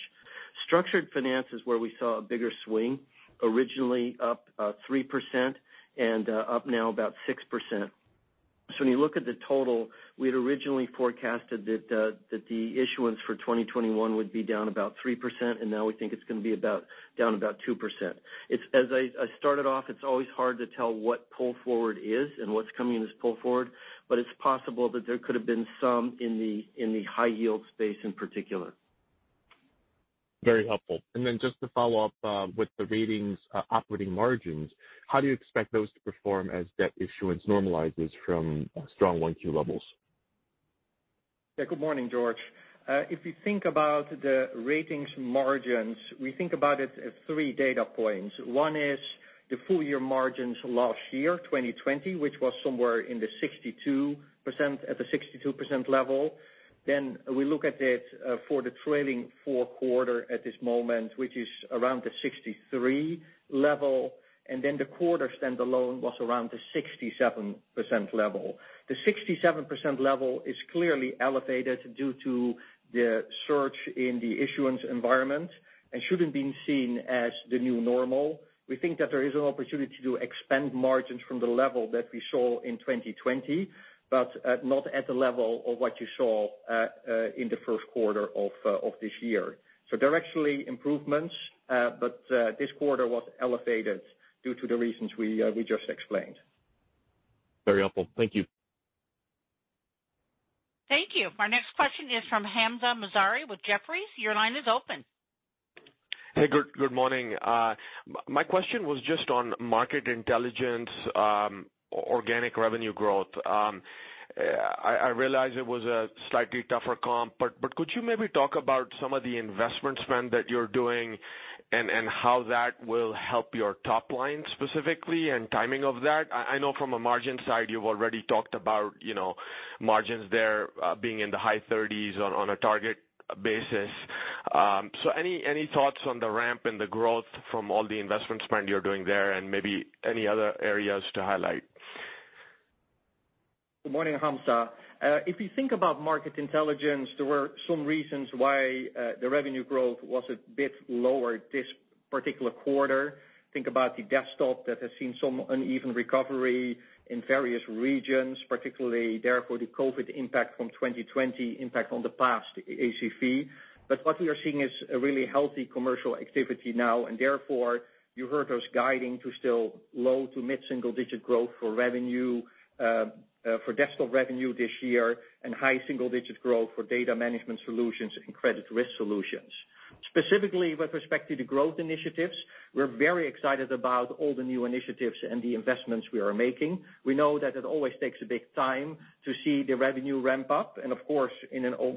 Structured finance is where we saw a bigger swing, originally up 3% and up now about 6%. When you look at the total, we had originally forecasted that the issuance for 2021 would be down about 3%, and now we think it's going to be down about 2%. As I started off, it's always hard to tell what pull forward is and what's coming in as pull forward. It's possible that there could have been some in the high yield space in particular. Very helpful. Just to follow up with the Ratings operating margins, how do you expect those to perform as debt issuance normalizes from strong 1Q levels? Good morning, George. If you think about the ratings margins, we think about it as three data points. One is the full year margins last year, 2020, which was somewhere at the 62% level. We look at it for the trailing four quarter at this moment, which is around the 63% level. The quarter standalone was around the 67% level. The 67% level is clearly elevated due to the surge in the issuance environment and shouldn't be seen as the new normal. We think that there is an opportunity to expand margins from the level that we saw in 2020, but not at the level of what you saw in the first quarter of this year. Directionally, improvements, but this quarter was elevated due to the reasons we just explained. Very helpful. Thank you. Thank you. Our next question is from Hamza Mazari with Jefferies. Your line is open. Hey, good morning. My question was just on Market Intelligence organic revenue growth. I realize it was a slightly tougher comp. Could you maybe talk about some of the investment spend that you're doing and how that will help your top line specifically and timing of that? I know from a margin side, you've already talked about margins there being in the high 30s on a target basis. Any thoughts on the ramp and the growth from all the investment spend you're doing there and maybe any other areas to highlight? Good morning, Hamza. If you think about Market Intelligence, there were some reasons why the revenue growth was a bit lower this particular quarter. Think about the Desktop that has seen some uneven recovery in various regions, particularly therefore the COVID impact from 2020 impact on the past ACV. What we are seeing is a really healthy commercial activity now, and therefore you heard us guiding to still low to mid single digit growth for Desktop revenue this year and high single digit growth for Data Management Solutions and Credit Risk Solutions. Specifically with respect to the growth initiatives, we're very excited about all the new initiatives and the investments we are making. We know that it always takes a big time to see the revenue ramp up, and of course,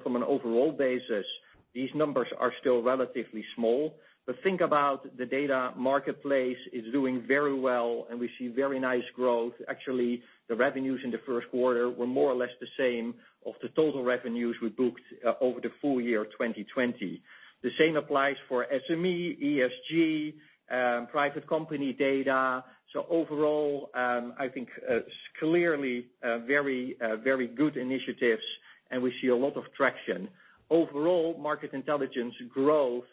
from an overall basis, these numbers are still relatively small. Think about the data marketplace is doing very well, and we see very nice growth. Actually, the revenues in the first quarter were more or less the same of the total revenues we booked over the full year 2020. The same applies for SME, ESG, private company data. Overall, I think clearly very good initiatives, and we see a lot of traction. Overall, Market Intelligence growth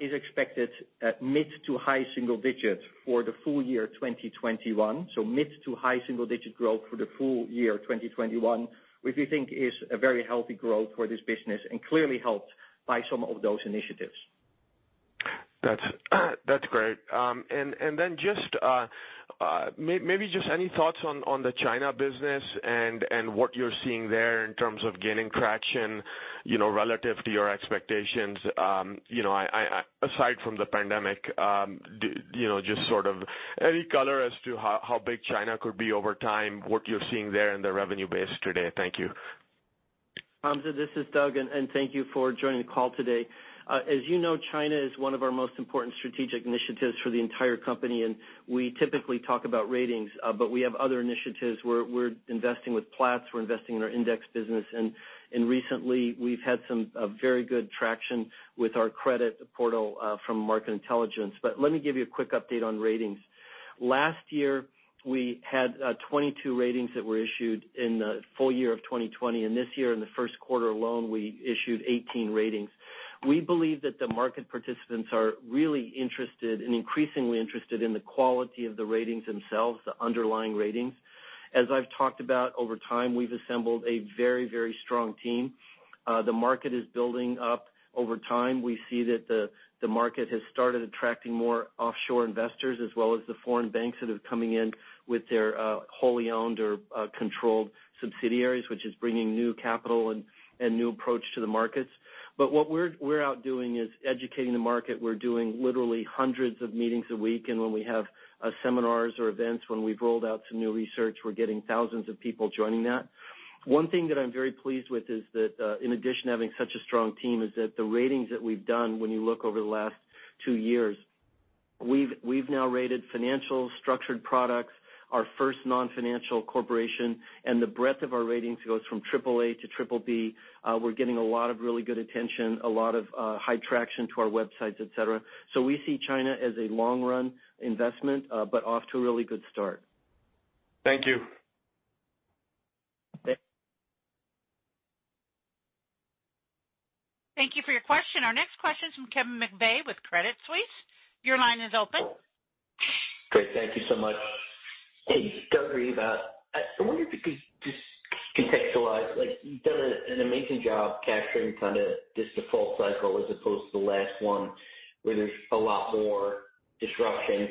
is expected at mid to high single digits for the full year 2021. Mid to high single digit growth for the full year 2021, which we think is a very healthy growth for this business and clearly helped by some of those initiatives. That's great. Maybe just any thoughts on the China business and what you're seeing there in terms of gaining traction relative to your expectations. Aside from the pandemic, just sort of any color as to how big China could be over time, what you're seeing there in the revenue base today. Thank you. Hamza, this is Doug. Thank you for joining the call today. As you know, China is one of our most important strategic initiatives for the entire company. We typically talk about ratings. We have other initiatives. We're investing with Platts, we're investing in our index business, and recently we've had some very good traction with our credit portal from Market Intelligence. Let me give you a quick update on ratings. Last year, we had 22 ratings that were issued in the full year of 2020. This year, in the first quarter alone, we issued 18 ratings. We believe that the market participants are really interested and increasingly interested in the quality of the ratings themselves, the underlying ratings. As I've talked about over time, we've assembled a very strong team. The market is building up over time. We see that the market has started attracting more offshore investors as well as the foreign banks that are coming in with their wholly owned or controlled subsidiaries, which is bringing new capital and new approach to the markets. What we're out doing is educating the market. We're doing literally hundreds of meetings a week, and when we have seminars or events, when we've rolled out some new research, we're getting thousands of people joining that. One thing that I'm very pleased with is that, in addition to having such a strong team, is that the ratings that we've done when you look over the last two years, we've now rated financial structured products, our first non-financial corporation, and the breadth of our ratings goes from triple A to triple B. We're getting a lot of really good attention, a lot of high traction to our websites, etc. We see China as a long run investment, but off to a really good start. Thank you. Thank you for your question. Our next question is from Kevin McVeigh with Credit Suisse. Your line is open. Great. Thank you so much. Hey, Doug, Ewout, I wonder if you could just contextualize. You've done an amazing job capturing this default cycle as opposed to the last one, where there's a lot more disruption.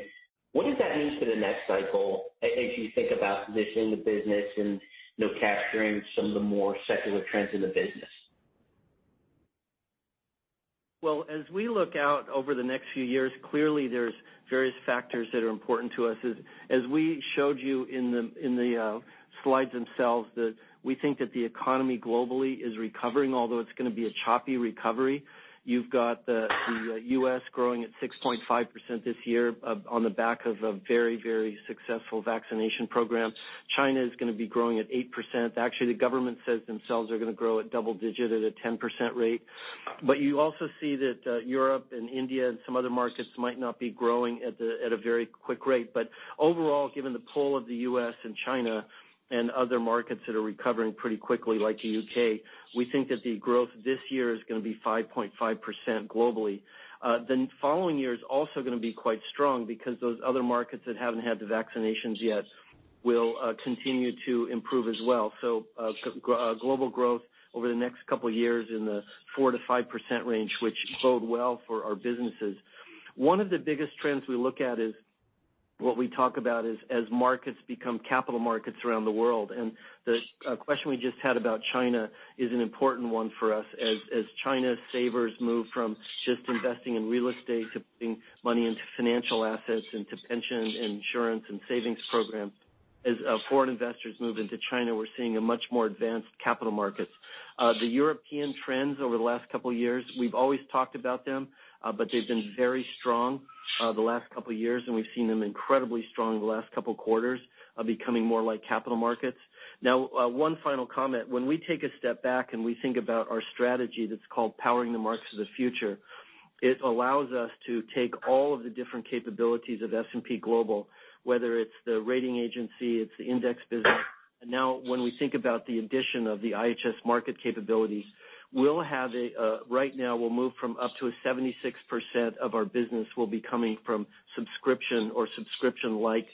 What does that mean for the next cycle, as you think about positioning the business and capturing some of the more secular trends in the business? Well, as we look out over the next few years, clearly, there's various factors that are important to us. As we showed you in the slides themselves, that we think that the economy globally is recovering, although it's going to be a choppy recovery. You've got the U.S. growing at 6.5% this year on the back of a very successful vaccination program. China is going to be growing at 8%. Actually, the government says themselves they're going to grow at double-digit at a 10% rate. You also see that Europe and India and some other markets might not be growing at a very quick rate. Overall, given the pull of the U.S. and China and other markets that are recovering pretty quickly, like the U.K., we think that the growth this year is going to be 5.5% globally. The following year is also going to be quite strong because those other markets that haven't had the vaccinations yet will continue to improve as well. Global growth over the next couple of years in the 4%-5% range, which bode well for our businesses. One of the biggest trends we look at is what we talk about is as markets become capital markets around the world. The question we just had about China is an important one for us as China savers move from just investing in real estate to putting money into financial assets, into pension, insurance, and savings programs. As foreign investors move into China, we're seeing a much more advanced capital markets. The European trends over the last couple of years, we've always talked about them, but they've been very strong the last couple of years, and we've seen them incredibly strong the last couple of quarters, becoming more like capital markets. One final comment. When we take a step back and we think about our strategy that's called Powering the Markets of the Future, it allows us to take all of the different capabilities of S&P Global, whether it's the rating agency, it's the index business. Now when we think about the addition of the IHS Markit capabilities, right now we'll move from up to 76% of our business will be coming from subscription or subscription-like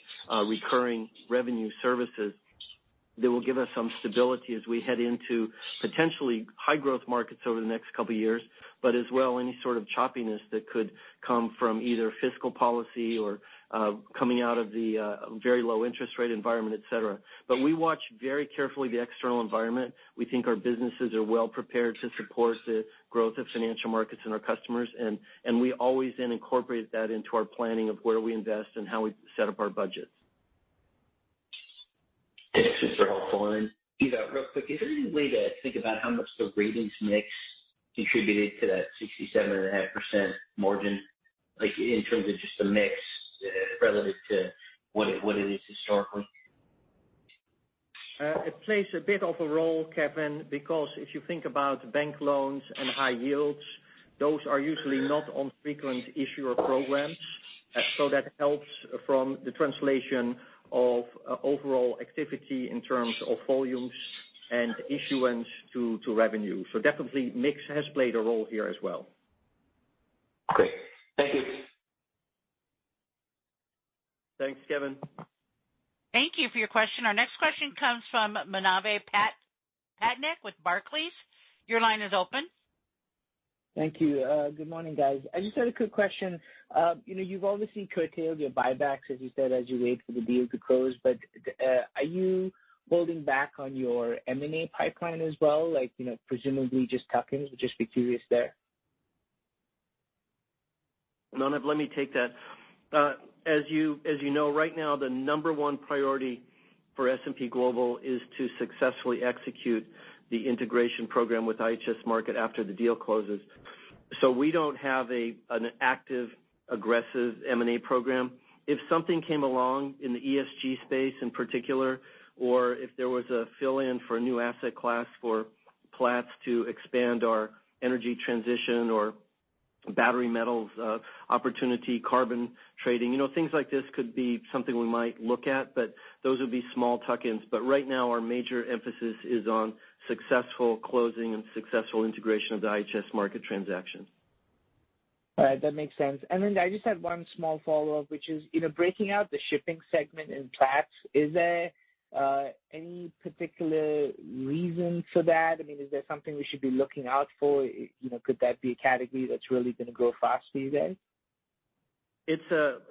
recurring revenue services that will give us some stability as we head into potentially high growth markets over the next couple of years, but as well, any sort of choppiness that could come from either fiscal policy or coming out of the very low interest rate environment, et cetera. We watch very carefully the external environment. We think our businesses are well prepared to support the growth of financial markets and our customers. We always then incorporate that into our planning of where we invest and how we set up our budgets. That's super helpful. Real quick, is there any way to think about how much the ratings mix contributed to that 67.5% margin, like in terms of just the mix relative to what it is historically? It plays a bit of a role, Kevin, because if you think about bank loans and high yields, those are usually not on frequent issuer programs. That helps from the translation of overall activity in terms of volumes and issuance to revenue. Definitely, mix has played a role here as well. Great. Thank you. Thanks, Kevin. Thank you for your question. Our next question comes from Manav Patnaik with Barclays. Your line is open. Thank you. Good morning, guys. I just had a quick question. You've obviously curtailed your buybacks, as you said, as you wait for the deal to close. Are you holding back on your M&A pipeline as well? Presumably just tuck-ins. Would just be curious there. Manav, let me take that. As you know, right now, the number one priority for S&P Global is to successfully execute the integration program with IHS Markit after the deal closes. We don't have an active, aggressive M&A program. If something came along in the ESG space in particular, or if there was a fill-in for a new asset class for Platts to expand our energy transition or battery metals opportunity, carbon trading, things like this could be something we might look at, but those would be small tuck-ins. Right now, our major emphasis is on successful closing and successful integration of the IHS Markit transaction. All right, that makes sense. I just had one small follow-up, which is, breaking out the shipping segment in Platts, is there any particular reason for that? Is there something we should be looking out for? Could that be a category that's really going to grow faster, you guys?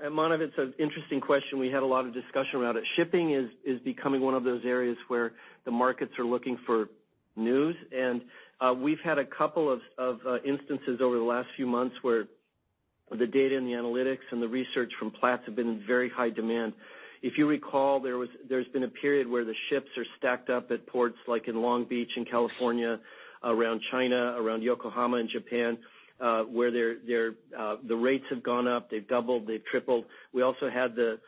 Manav, it's an interesting question. We had a lot of discussion around it. Shipping is becoming one of those areas where the markets are looking for news. We've had a couple of instances over the last few months where the data and the analytics and the research from Platts have been in very high demand. If you recall, there's been a period where the ships are stacked up at ports, like in Long Beach in California, around China, around Yokohama in Japan, where the rates have gone up, they've doubled, they've tripled. We also had the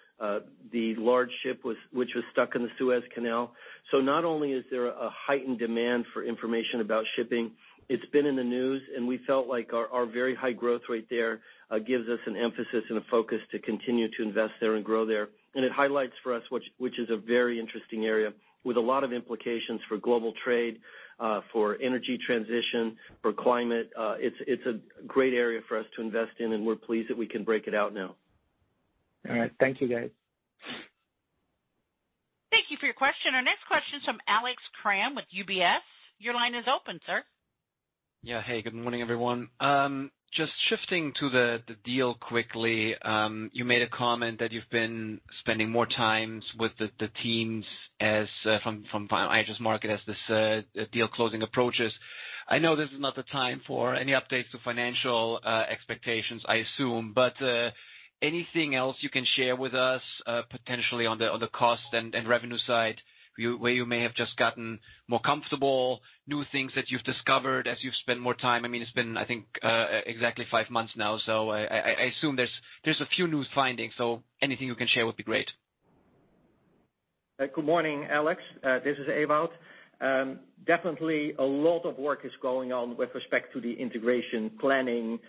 large ship which was stuck in the Suez Canal. Not only is there a heightened demand for information about shipping, it's been in the news, and we felt like our very high growth rate there gives us an emphasis and a focus to continue to invest there and grow there. It highlights for us which is a very interesting area with a lot of implications for global trade, for energy transition, for climate. It's a great area for us to invest in, and we're pleased that we can break it out now. All right. Thank you, guys. Thank you for your question. Our next question is from Alex Kramm with UBS. Your line is open, sir. Yeah. Hey, good morning, everyone. Just shifting to the deal quickly. You made a comment that you've been spending more times with the teams from IHS Markit as the deal closing approaches. I know this is not the time for any updates to financial expectations, I assume, but anything else you can share with us, potentially on the cost and revenue side, where you may have just gotten more comfortable, new things that you've discovered as you've spent more time? It's been, I think, exactly five months now, so I assume there's a few new findings. Anything you can share would be great. Good morning, Alex. This is Ewout. Definitely a lot of work is going on with respect to the integration planning,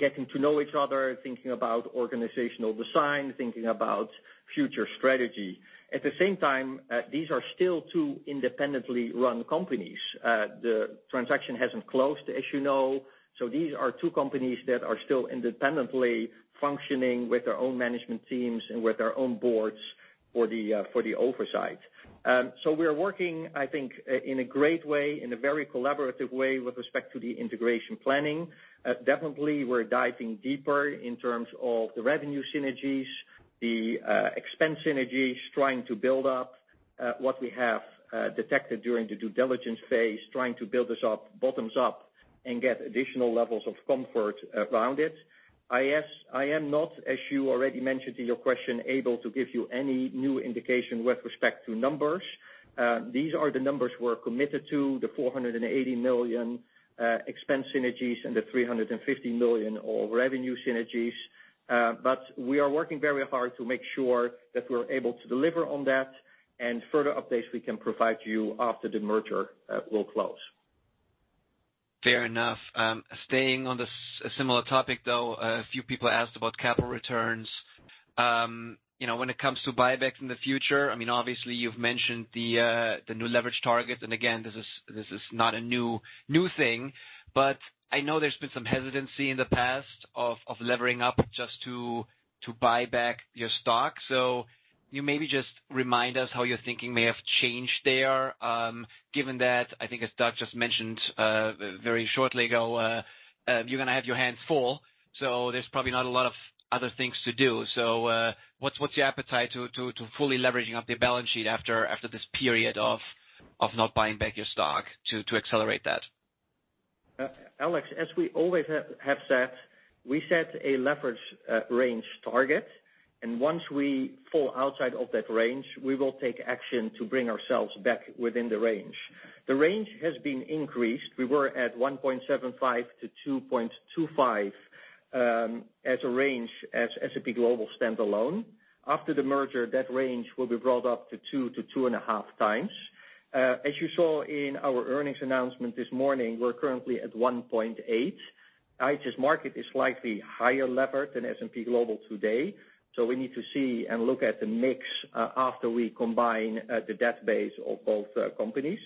getting to know each other, thinking about organizational design, thinking about future strategy. At the same time, these are still two independently run companies. The transaction hasn't closed, as you know. These are two companies that are still independently functioning with their own management teams and with their own boards for the oversight. We are working, I think, in a great way, in a very collaborative way with respect to the integration planning. Definitely we're diving deeper in terms of the revenue synergies, the expense synergies, trying to build up what we have detected during the due diligence phase, trying to build this up bottoms up and get additional levels of comfort around it. I am not, as you already mentioned in your question, able to give you any new indication with respect to numbers. These are the numbers we're committed to, the $480 million expense synergies and the $350 million of revenue synergies. We are working very hard to make sure that we're able to deliver on that and further updates we can provide you after the merger will close. Fair enough. Staying on a similar topic, though. A few people asked about capital returns. When it comes to buybacks in the future, obviously you've mentioned the new leverage targets, and again, this is not a new thing. I know there's been some hesitancy in the past of levering up just to buy back your stock. You maybe just remind us how your thinking may have changed there, given that, I think as Doug just mentioned very shortly ago, you're going to have your hands full, so there's probably not a lot of other things to do. What's your appetite to fully leveraging up the balance sheet after this period of not buying back your stock to accelerate that? Alex, as we always have said, we set a leverage range target. Once we fall outside of that range, we will take action to bring ourselves back within the range. The range has been increased. We were at 1.75-2.25 as a range as S&P Global standalone. After the merger, that range will be brought up to 2 times-2.5 times. As you saw in our earnings announcement this morning, we're currently at 1.8. IHS Markit is slightly higher levered than S&P Global today. We need to see and look at the mix after we combine the debt base of both companies.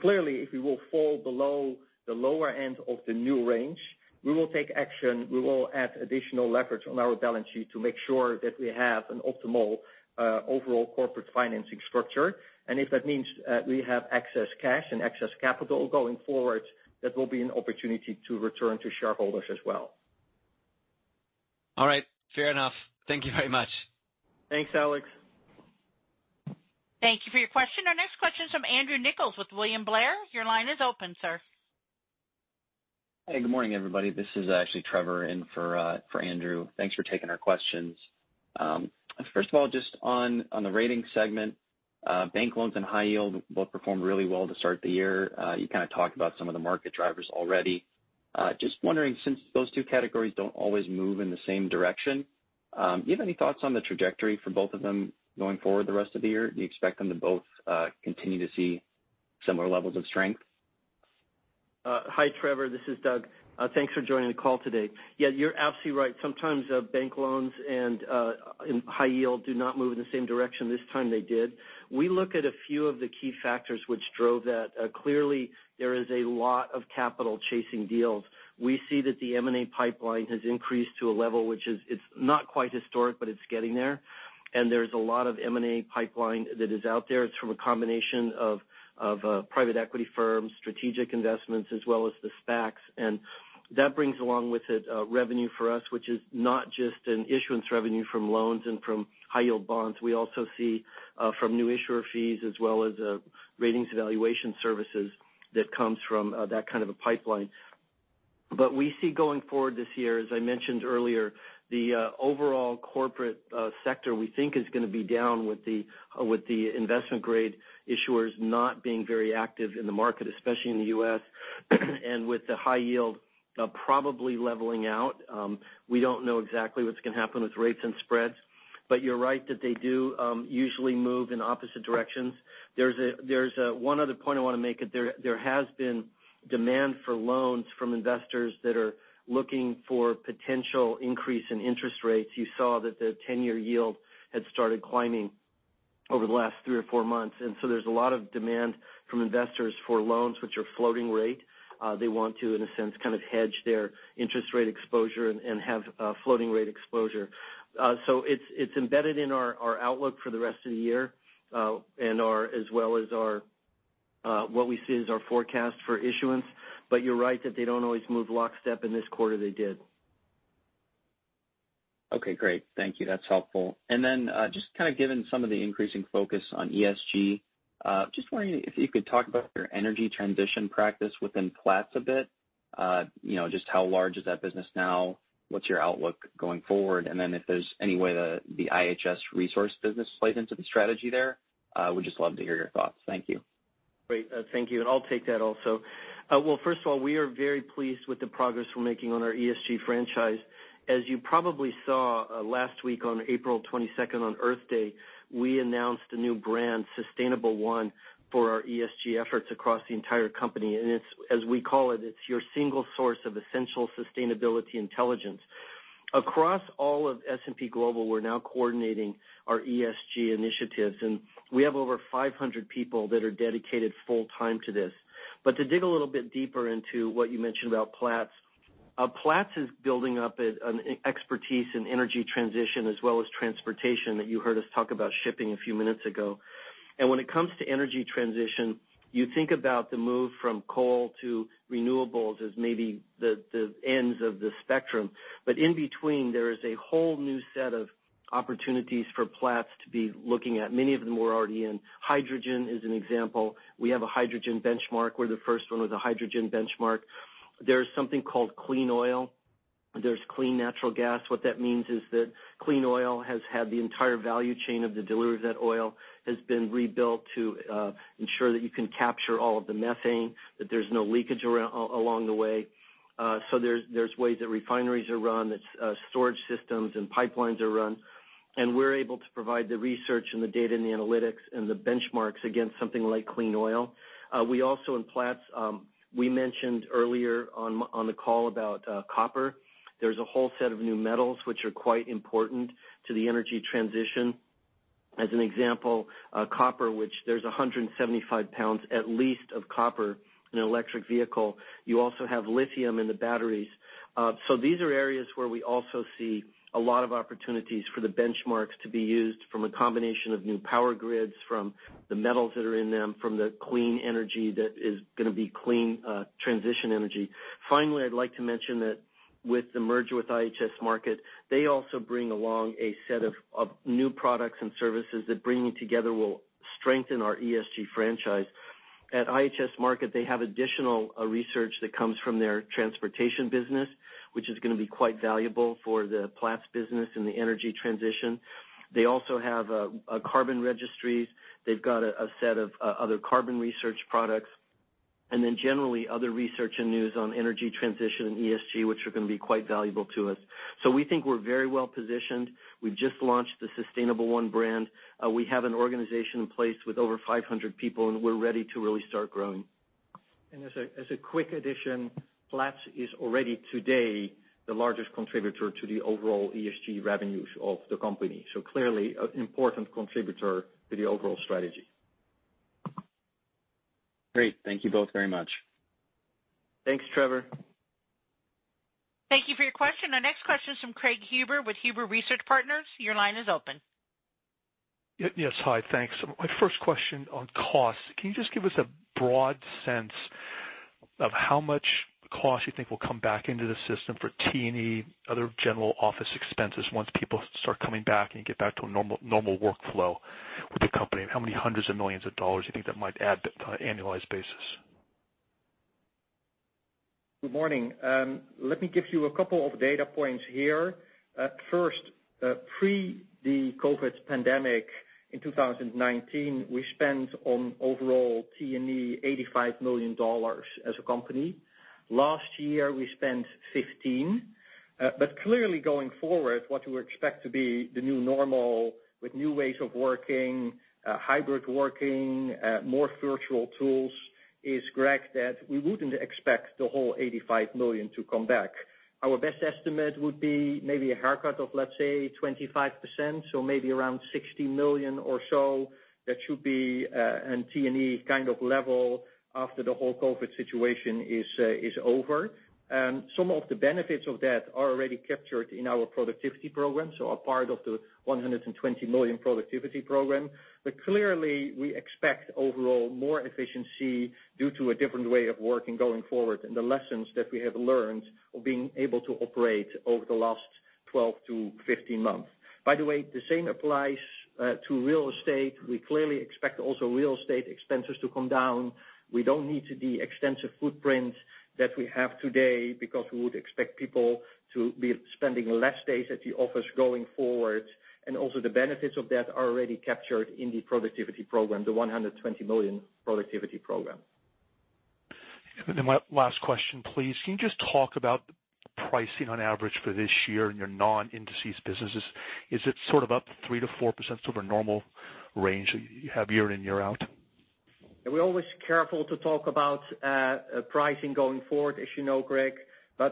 Clearly, if we will fall below the lower end of the new range, we will take action. We will add additional leverage on our balance sheet to make sure that we have an optimal overall corporate financing structure. If that means we have excess cash and excess capital going forward, that will be an opportunity to return to shareholders as well. All right. Fair enough. Thank you very much. Thanks, Alex. Thank you for your question. Our next question is from Andrew Nicholas with William Blair. Your line is open, sir. Hey, good morning, everybody. This is actually Trevor in for Andrew. Thanks for taking our questions. First of all, just on the ratings segment. Bank loans and high yield both performed really well to start the year. You kind of talked about some of the market drivers already. Just wondering, since those two categories don't always move in the same direction, do you have any thoughts on the trajectory for both of them going forward the rest of the year? Do you expect them to both continue to see similar levels of strength? Hi, Trevor. This is Doug. Thanks for joining the call today. Yeah, you're absolutely right. Sometimes bank loans and high yield do not move in the same direction. This time they did. We look at a few of the key factors which drove that. Clearly, there is a lot of capital chasing deals. We see that the M&A pipeline has increased to a level which is, it's not quite historic, but it's getting there. There's a lot of M&A pipeline that is out there. It's from a combination of private equity firms, strategic investments, as well as the SPACs. That brings along with it revenue for us, which is not just an issuance revenue from loans and from high yield bonds. We also see from new issuer fees as well as ratings evaluation services that comes from that kind of a pipeline. We see going forward this year, as I mentioned earlier, the overall corporate sector, we think, is going to be down with the investment grade issuers not being very active in the market, especially in the U.S., and with the high yield probably leveling out. We don't know exactly what's going to happen with rates and spreads, but you're right that they do usually move in opposite directions. There's one other point I want to make. There has been demand for loans from investors that are looking for potential increase in interest rates. You saw that the 10-year yield had started climbing over the last three or four months. There's a lot of demand from investors for loans which are floating rate. They want to, in a sense, kind of hedge their interest rate exposure and have a floating rate exposure. It's embedded in our outlook for the rest of the year as well as what we see as our forecast for issuance. You're right that they don't always move lockstep. In this quarter, they did. Okay, great. Thank you. That's helpful. Just kind of given some of the increasing focus on ESG, just wondering if you could talk about your energy transition practice within Platts a bit. Just how large is that business now? What's your outlook going forward? If there's any way the IHS Resource business plays into the strategy there, would just love to hear your thoughts. Thank you. Great. Thank you. I'll take that also. First of all, we are very pleased with the progress we're making on our ESG franchise. As you probably saw last week on April 22nd, on Earth Day, we announced a new brand, Sustainable1, for our ESG efforts across the entire company. As we call it's your single source of essential sustainability intelligence. Across all of S&P Global, we're now coordinating our ESG initiatives, and we have over 500 people that are dedicated full-time to this. To dig a little bit deeper into what you mentioned about Platts. Platts is building up an expertise in energy transition as well as transportation that you heard us talk about shipping a few minutes ago. When it comes to energy transition, you think about the move from coal to renewables as maybe the ends of the spectrum. In between, there is a whole new set of opportunities for Platts to be looking at. Many of them we're already in. Hydrogen is an example. We have a hydrogen benchmark. We're the first one with a hydrogen benchmark. There is something called clean oil. There's clean natural gas. What that means is that clean oil has had the entire value chain of the delivery of that oil has been rebuilt to ensure that you can capture all of the methane, that there's no leakage along the way. There's ways that refineries are run, that storage systems and pipelines are run, and we're able to provide the research and the data and the analytics and the benchmarks against something like clean oil. We also in Platts, we mentioned earlier on the call about copper. There's a whole set of new metals which are quite important to the energy transition. As an example, copper, which there's 175 pounds at least of copper in an electric vehicle. You also have lithium in the batteries. These are areas where we also see a lot of opportunities for the benchmarks to be used from a combination of new power grids, from the metals that are in them, from the clean energy that is going to be clean transition energy. Finally, I'd like to mention that with the merger with IHS Markit, they also bring along a set of new products and services that bringing together will strengthen our ESG franchise. At IHS Markit, they have additional research that comes from their transportation business, which is going to be quite valuable for the Platts business and the energy transition. They also have a carbon registries. They've got a set of other carbon research products, generally other research and news on energy transition and ESG, which are going to be quite valuable to us. We think we're very well positioned. We've just launched the Sustainable1 brand. We have an organization in place with over 500 people, we're ready to really start growing. As a quick addition, Platts is already today the largest contributor to the overall ESG revenues of the company. Clearly, an important contributor to the overall strategy. Great. Thank you both very much. Thanks, Trevor. Thank you for your question. Our next question is from Craig Huber with Huber Research Partners. Your line is open. Yes. Hi. Thanks. My first question on costs. Can you just give us a broad sense of how much cost you think will come back into the system for T&E, other general office expenses once people start coming back and get back to a normal workflow with the company? How many hundreds of millions of dollars you think that might add on an annualized basis? Good morning. Let me give you a couple of data points here. First, pre the COVID pandemic in 2019, we spent on overall T&E $85 million as a company. Last year, we spent $15 million. Clearly going forward, what we expect to be the new normal with new ways of working, hybrid working, more virtual tools, is correct that we wouldn't expect the whole $85 million to come back. Our best estimate would be maybe a haircut of, let's say, 25%, so maybe around $60 million or so. That should be a T&E kind of level after the whole COVID situation is over. Some of the benefits of that are already captured in our productivity program, so a part of the $120 million productivity program. Clearly, we expect overall more efficiency due to a different way of working going forward and the lessons that we have learned of being able to operate over the last. 12 to 15 months. By the way, the same applies to real estate. We clearly expect also real estate expenses to come down. We don't need the extensive footprint that we have today because we would expect people to be spending less days at the office going forward, and also the benefits of that are already captured in the productivity program, the $120 million productivity program. My last question, please. Can you just talk about the pricing on average for this year in your non-indices businesses? Is it sort of up 3%-4% sort of a normal range that you have year in, year out? We're always careful to talk about pricing going forward, as you know, Craig,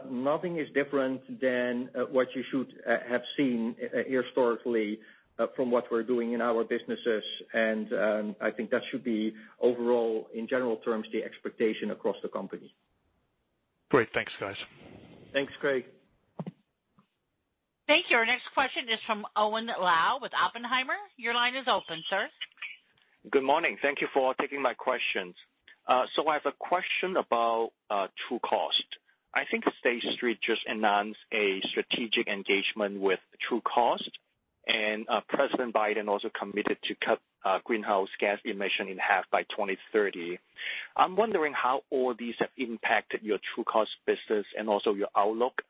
nothing is different than what you should have seen historically from what we're doing in our businesses. I think that should be overall, in general terms, the expectation across the company. Great. Thanks, guys. Thanks, Craig. Thank you. Our next question is from Owen Lau with Oppenheimer. Your line is open, sir. Good morning. Thank you for taking my questions. I have a question about Trucost. I think State Street just announced a strategic engagement with Trucost, and President Biden also committed to cut greenhouse gas emission in half by 2030. I'm wondering how all these have impacted your Trucost business and also your outlook.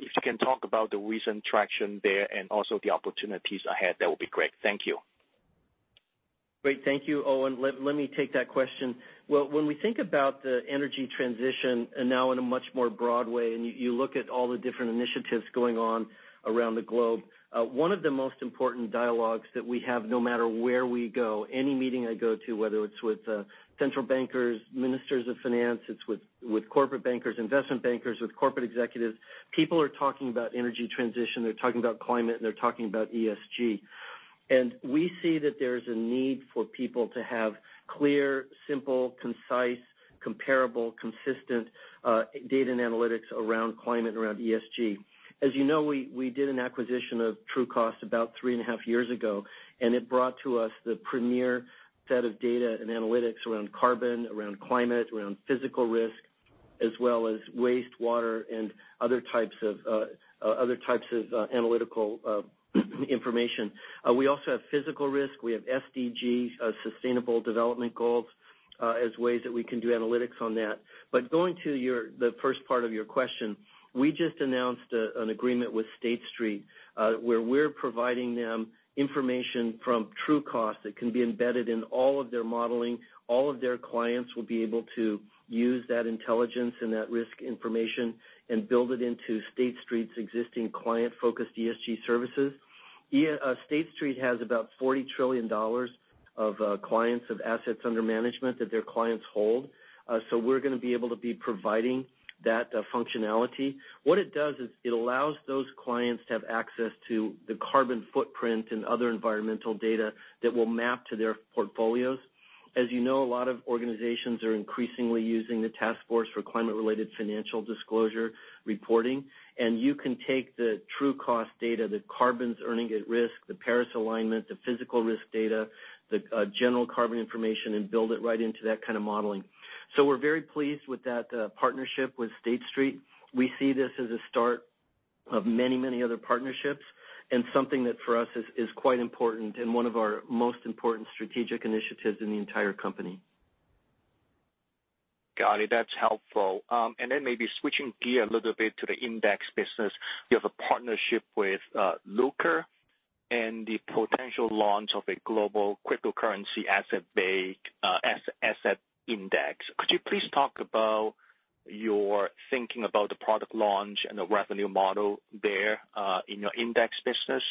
If you can talk about the recent traction there and also the opportunities ahead, that would be great. Thank you. Great. Thank you, Owen. Let me take that question. Well, when we think about the energy transition and now in a much more broad way, and you look at all the different initiatives going on around the globe, one of the most important dialogues that we have, no matter where we go, any meeting I go to, whether it's with central bankers, ministers of finance, it's with corporate bankers, investment bankers, with corporate executives, people are talking about energy transition, they're talking about climate, and they're talking about ESG. We see that there's a need for people to have clear, simple, concise, comparable, consistent data and analytics around climate and around ESG. As you know, we did an acquisition of Trucost about three and a half years ago. It brought to us the premier set of data and analytics around carbon, around climate, around physical risk, as well as waste, water, and other types of analytical information. We also have physical risk. We have SDG, sustainable development goals, as ways that we can do analytics on that. Going to the first part of your question, we just announced an agreement with State Street, where we're providing them information from Trucost that can be embedded in all of their modeling. All of their clients will be able to use that intelligence and that risk information and build it into State Street's existing client-focused ESG services. State Street has about $40 trillion of clients of assets under management that their clients hold. We're going to be able to be providing that functionality. What it does is it allows those clients to have access to the carbon footprint and other environmental data that will map to their portfolios. As you know, a lot of organizations are increasingly using the Task Force on Climate-related Financial Disclosures reporting, and you can take the Trucost data, the Carbon Earnings at Risk, the Paris alignment, the physical risk data, the general carbon information, and build it right into that kind of modeling. We're very pleased with that partnership with State Street. We see this as a start of many other partnerships and something that for us is quite important and one of our most important strategic initiatives in the entire company. Got it. That's helpful. Maybe switching gear a little bit to the index business, you have a partnership with Lukka and the potential launch of a global cryptocurrency asset index. Could you please talk about your thinking about the product launch and the revenue model there in your index business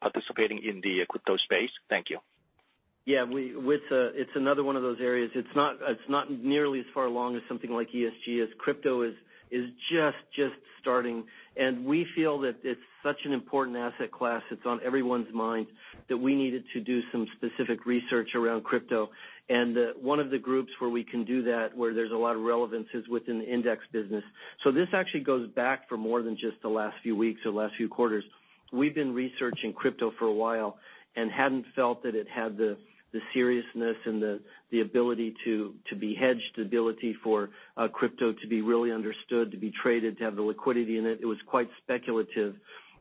participating in the crypto space? Thank you. Yeah. It's another one of those areas. It's not nearly as far along as something like ESG is. crypto is just starting. We feel that it's such an important asset class, it's on everyone's mind, that we needed to do some specific research around crypto. One of the groups where we can do that, where there's a lot of relevance, is within the index business. This actually goes back for more than just the last few weeks or last few quarters. We've been researching crypto for a while and hadn't felt that it had the seriousness and the ability to be hedged, ability for crypto to be really understood, to be traded, to have the liquidity in it. It was quite speculative,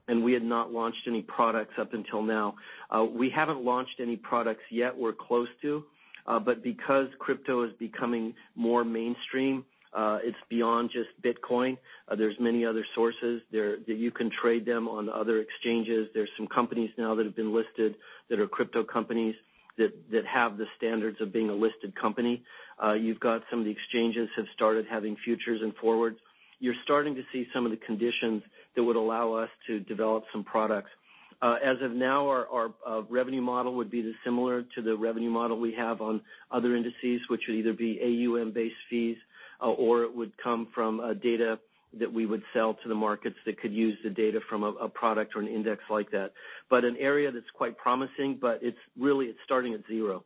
and we had not launched any products up until now. We haven't launched any products yet. We're close to. Because crypto is becoming more mainstream, it's beyond just Bitcoin. There's many other sources that you can trade them on other exchanges. There's some companies now that have been listed that are crypto companies that have the standards of being a listed company. You've got some of the exchanges have started having futures and forwards. You're starting to see some of the conditions that would allow us to develop some products. As of now, our revenue model would be similar to the revenue model we have on other indices, which would either be AUM-based fees, or it would come from data that we would sell to the markets that could use the data from a product or an index like that. An area that's quite promising, but it's really starting at zero.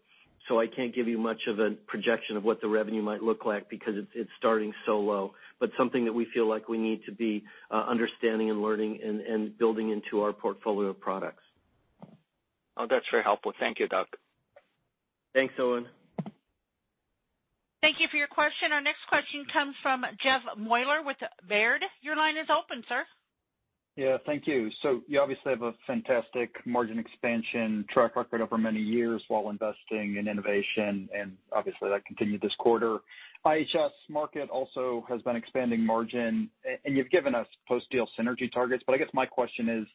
I can't give you much of a projection of what the revenue might look like because it's starting so low, but something that we feel like we need to be understanding and learning and building into our portfolio of products. Oh, that's very helpful. Thank you, Doug. Thanks, Owen. Thank you for your question. Our next question comes from Jeff Meuler with Baird. Your line is open, sir. Yeah, thank you. You obviously have a fantastic margin expansion track record over many years while investing in innovation, and obviously that continued this quarter. IHS Markit also has been expanding margin, and you've given us post-deal synergy targets. I guess my question is,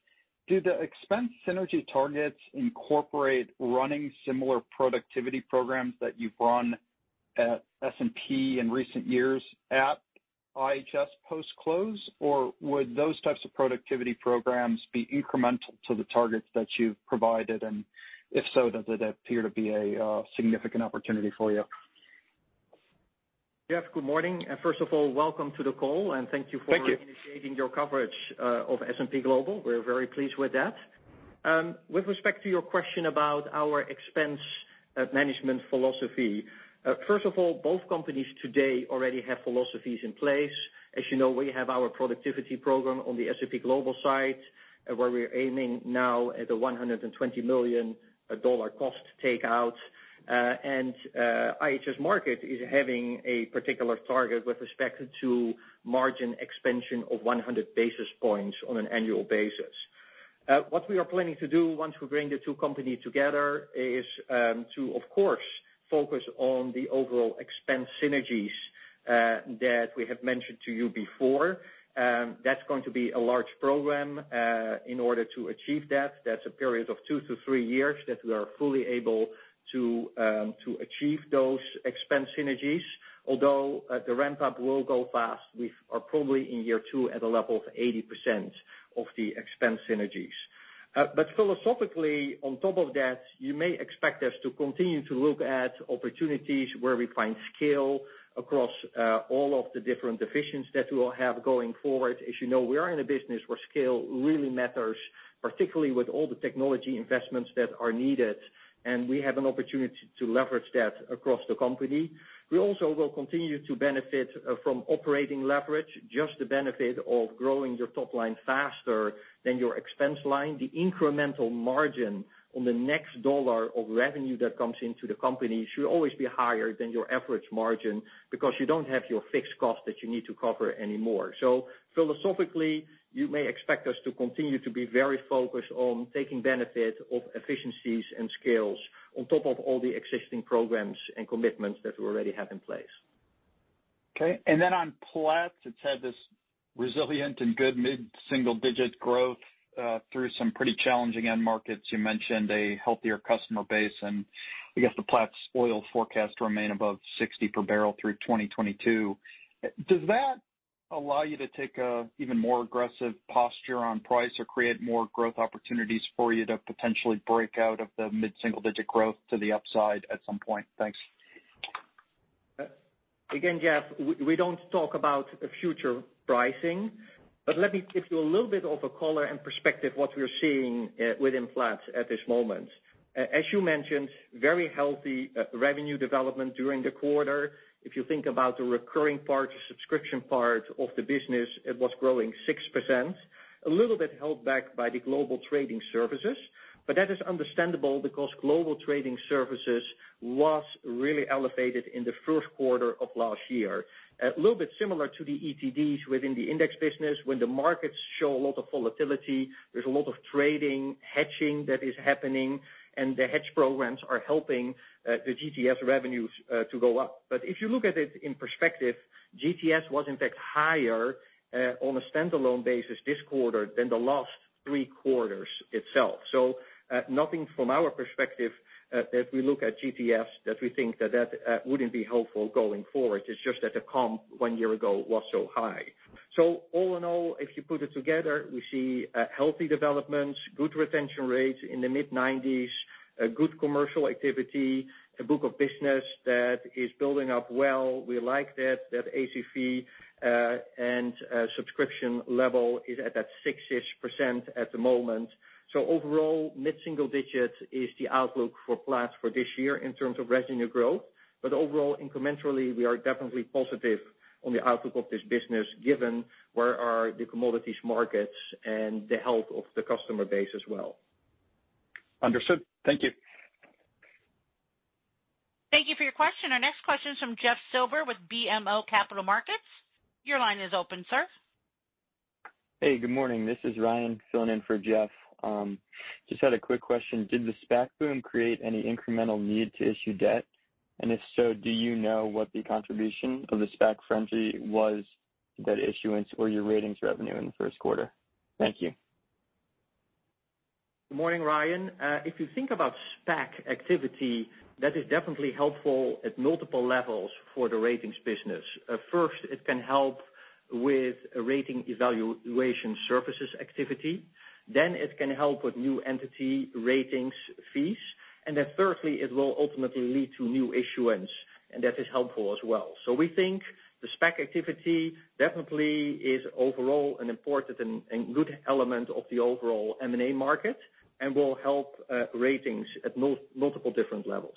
do the expense synergy targets incorporate running similar productivity programs that you've run at S&P in recent years at IHS post-close, or would those types of productivity programs be incremental to the targets that you've provided? If so, does it appear to be a significant opportunity for you? Jeff, good morning. First of all, welcome to the call and thank you for. Thank you. initiating your coverage of S&P Global. We're very pleased with that. With respect to your question about our expense management philosophy, first of all, both companies today already have philosophies in place. As you know, we have our productivity program on the S&P Global side, where we're aiming now at a $120 million cost takeout. IHS Markit is having a particular target with respect to margin expansion of 100 basis points on an annual basis. What we are planning to do once we bring the two companies together is to, of course, focus on the overall expense synergies that we have mentioned to you before. That's going to be a large program. In order to achieve that's a period of two to three years that we are fully able to achieve those expense synergies. Although the ramp-up will go fast, we are probably in year two at a level of 80% of the expense synergies. Philosophically, on top of that, you may expect us to continue to look at opportunities where we find scale across all of the different divisions that we'll have going forward. As you know, we are in a business where scale really matters, particularly with all the technology investments that are needed, and we have an opportunity to leverage that across the company. We also will continue to benefit from operating leverage, just the benefit of growing your top line faster than your expense line. The incremental margin on the next dollar of revenue that comes into the company should always be higher than your average margin because you don't have your fixed cost that you need to cover anymore. Philosophically, you may expect us to continue to be very focused on taking benefit of efficiencies and scales on top of all the existing programs and commitments that we already have in place. Okay. On Platts, it's had this resilient and good mid-single-digit growth through some pretty challenging end markets. You mentioned a healthier customer base. I guess the Platts oil forecast remain above $60 per barrel through 2022. Does that allow you to take a even more aggressive posture on price or create more growth opportunities for you to potentially break out of the mid-single-digit growth to the upside at some point? Thanks. Again, Jeff, we don't talk about future pricing. Let me give you a little bit of a color and perspective what we're seeing within Platts at this moment. As you mentioned, very healthy revenue development during the quarter. If you think about the recurring part, the subscription part of the business, it was growing 6%. A little bit held back by the global trading services. That is understandable because global trading services was really elevated in the first quarter of last year. A little bit similar to the ETDs within the index business. When the markets show a lot of volatility, there's a lot of trading, hedging that is happening, and the hedge programs are helping the GTS revenues to go up. If you look at it in perspective, GTS was in fact higher on a standalone basis this quarter than the last three quarters itself. Nothing from our perspective, as we look at GTS, that we think that that wouldn't be helpful going forward. It's just that the comp one year ago was so high. All in all, if you put it together, we see healthy developments, good retention rates in the mid-90s, good commercial activity, a book of business that is building up well. We like that ACV and subscription level is at that 6-ish% at the moment. Overall, mid-single digits is the outlook for Platts for this year in terms of revenue growth. Overall, incrementally, we are definitely positive on the outlook of this business, given where are the commodities markets and the health of the customer base as well. Understood. Thank you. Thank you for your question. Our next question is from Jeff Silber with BMO Capital Markets. Your line is open, sir. Hey, good morning. This is Ryan filling in for Jeff. Just had a quick question. Did the SPAC boom create any incremental need to issue debt? If so, do you know what the contribution of the SPAC frenzy was to debt issuance or your ratings revenue in the first quarter? Thank you. Morning, Ryan. If you think about SPAC activity, that is definitely helpful at multiple levels for the ratings business. First, it can help with rating evaluation services activity, then it can help with new entity ratings fees, and then thirdly, it will ultimately lead to new issuance, and that is helpful as well. We think the SPAC activity definitely is overall an important and good element of the overall M&A market and will help ratings at multiple different levels.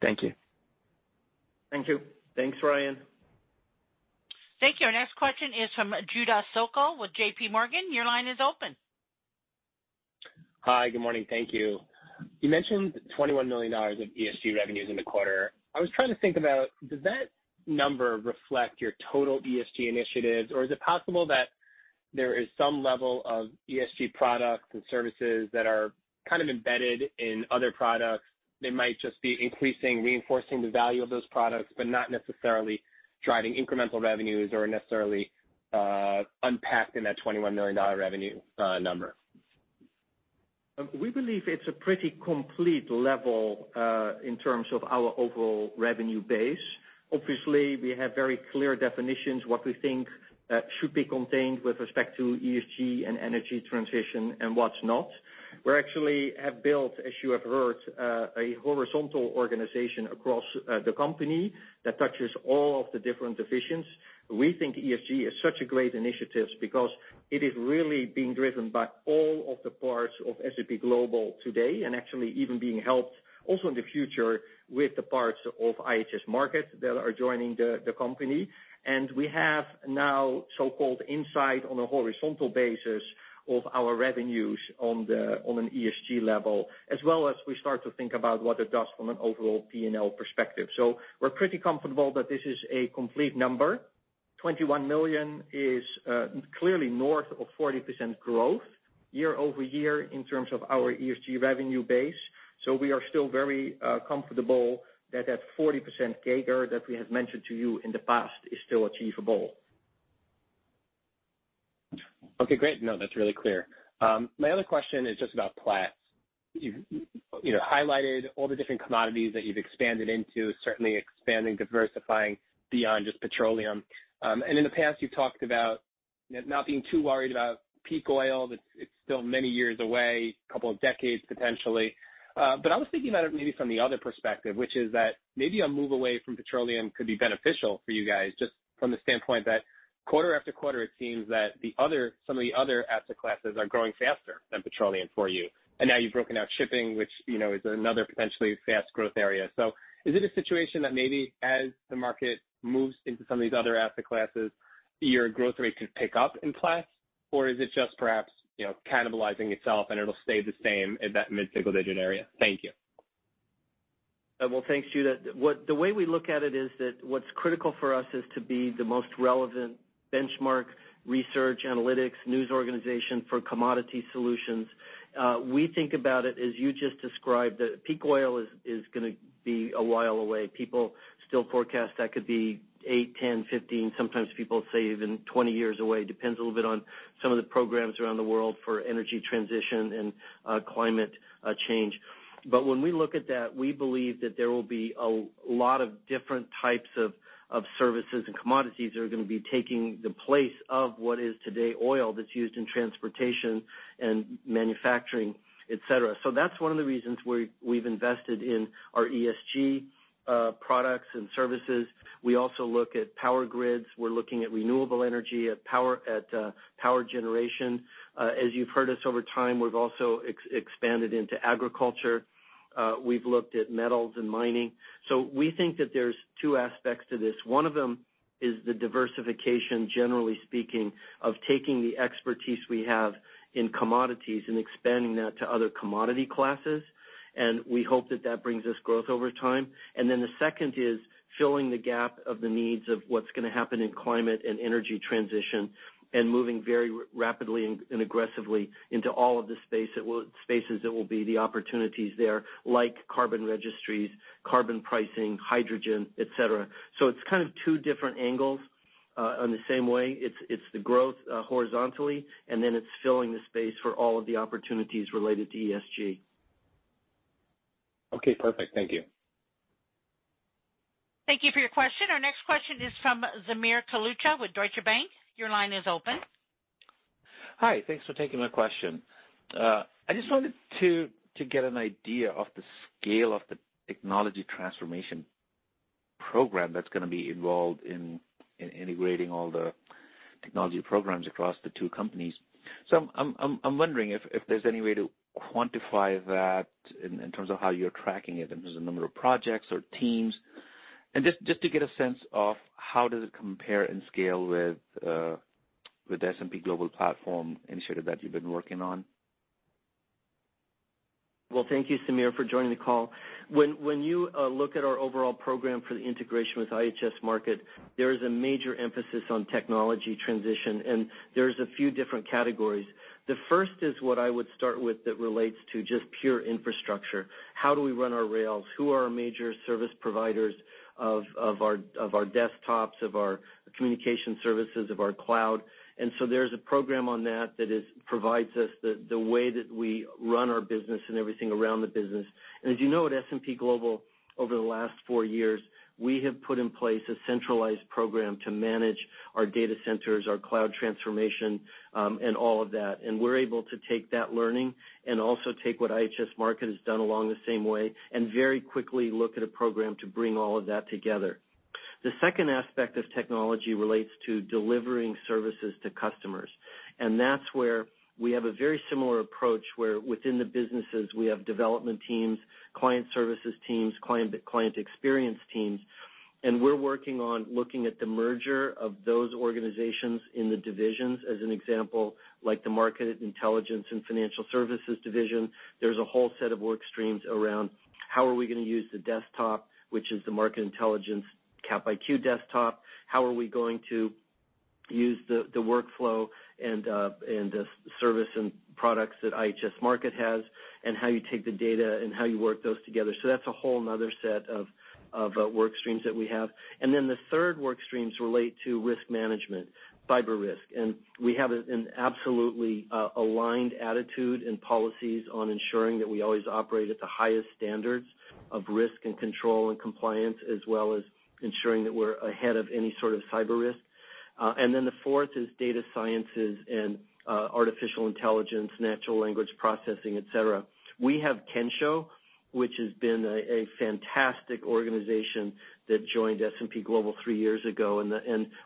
Thank you. Thank you. Thanks, Ryan. Thank you. Our next question is from Judah Sokel with JP Morgan. Your line is open. Hi, good morning. Thank you. You mentioned $21 million of ESG revenues in the quarter. I was trying to think about, does that number reflect your total ESG initiatives, or is it possible that there is some level of ESG products and services that are kind of embedded in other products that might just be increasing, reinforcing the value of those products, but not necessarily driving incremental revenues or necessarily unpacked in that $21 million revenue number? We believe it's a pretty complete level, in terms of our overall revenue base. Obviously, we have very clear definitions what we think should be contained with respect to ESG and energy transition and what's not. We actually have built, as you have heard, a horizontal organization across the company that touches all of the different divisions. We think ESG is such a great initiative because it is really being driven by all of the parts of S&P Global today, and actually even being helped also in the future with the parts of IHS Markit that are joining the company. We have now so-called insight on a horizontal basis of our revenues on an ESG level, as well as we start to think about what it does from an overall P&L perspective. We're pretty comfortable that this is a complete number. $21 million is clearly north of 40% growth year-over-year in terms of our ESG revenue base. We are still very comfortable that that 40% CAGR that we have mentioned to you in the past is still achievable. Okay, great. No, that's really clear. My other question is just about Platts. You highlighted all the different commodities that you've expanded into, certainly expanding, diversifying beyond just petroleum. In the past, you've talked about not being too worried about peak oil, that it's still many years away, a couple of decades potentially. I was thinking about it maybe from the other perspective, which is that maybe a move away from petroleum could be beneficial for you guys, just from the standpoint that quarter after quarter, it seems that some of the other asset classes are growing faster than petroleum for you. Now you've broken out shipping, which is another potentially fast growth area. Is it a situation that maybe as the market moves into some of these other asset classes, your growth rate could pick up in Platts, or is it just perhaps cannibalizing itself and it'll stay the same in that mid-single digit area? Thank you. Well, thanks, Judah. The way we look at it is that what's critical for us is to be the most relevant benchmark research analytics news organization for commodity solutions. We think about it as you just described, that peak oil is going to be a while away. People still forecast that could be eight, 10, 15, sometimes people say even 20 years away. Depends a little bit on some of the programs around the world for energy transition and climate change. When we look at that, we believe that there will be a lot of different types of services and commodities that are going to be taking the place of what is today oil that's used in transportation and manufacturing, etc. That's one of the reasons we've invested in our ESG products and services. We also look at power grids. We're looking at renewable energy, at power generation. As you've heard us over time, we've also expanded into agriculture. We've looked at metals and mining. We think that there's two aspects to this. One of them is the diversification, generally speaking, of taking the expertise we have in commodities and expanding that to other commodity classes. We hope that that brings us growth over time. The second is filling the gap of the needs of what's going to happen in climate and energy transition, and moving very rapidly and aggressively into all of the spaces that will be the opportunities there, like carbon registries, carbon pricing, hydrogen, et cetera. It's kind of two different angles. On the same way, it's the growth horizontally, and then it's filling the space for all of the opportunities related to ESG. Okay, perfect. Thank you. Thank you for your question. Our next question is from Samir Toluka with Deutsche Bank. Your line is open. Hi, thanks for taking my question. I just wanted to get an idea of the scale of the technology transformation program that's going to be involved in integrating all the technology programs across the two companies. I'm wondering if there's any way to quantify that in terms of how you're tracking it, in terms of the number of projects or teams. Just to get a sense of how does it compare in scale with the S&P Global platform initiative that you've been working on. Well, thank you, Samir, for joining the call. When you look at our overall program for the integration with IHS Markit, there is a major emphasis on technology transition, and there's a few different categories. The first is what I would start with that relates to just pure infrastructure. How do we run our rails? Who are our major service providers of our desktops, of our communication services, of our cloud? There's a program on that that provides us the way that we run our business and everything around the business. As you know, at S&P Global, over the last four years, we have put in place a centralized program to manage our data centers, our cloud transformation, and all of that. We're able to take that learning and also take what IHS Markit has done along the same way, and very quickly look at a program to bring all of that together. The second aspect of technology relates to delivering services to customers. That's where we have a very similar approach, where within the businesses we have development teams, client services teams, client experience teams, and we're working on looking at the merger of those organizations in the divisions. As an example, like the Market Intelligence and financial services division, there's a whole set of work streams around how are we going to use the desktop, which is the Market Intelligence Cap IQ desktop. How are we going to use the workflow and the service and products that IHS Markit has, and how you take the data and how you work those together. That's a whole other set of work streams that we have. The third work streams relate to risk management, cyber risk. We have an absolutely aligned attitude and policies on ensuring that we always operate at the highest standards of risk and control and compliance, as well as ensuring that we're ahead of any sort of cyber risk. The fourth is data sciences and artificial intelligence, natural language processing, etc. We have Kensho, which has been a fantastic organization that joined S&P Global three years ago.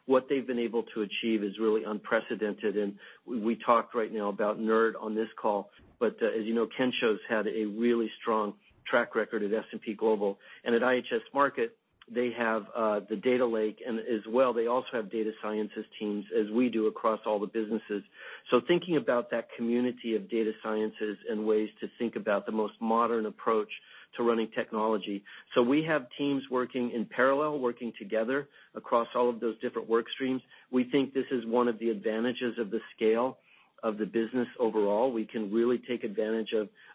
What they've been able to achieve is really unprecedented. We talked right now about NERD on this call, but as you know, Kensho's had a really strong track record at S&P Global. At IHS Markit, they have the data lake and as well, they also have data sciences teams, as we do across all the businesses. Thinking about that community of data sciences and ways to think about the most modern approach to running technology. We have teams working in parallel, working together across all of those different work streams. We think this is one of the advantages of the scale of the business overall. We can really take advantage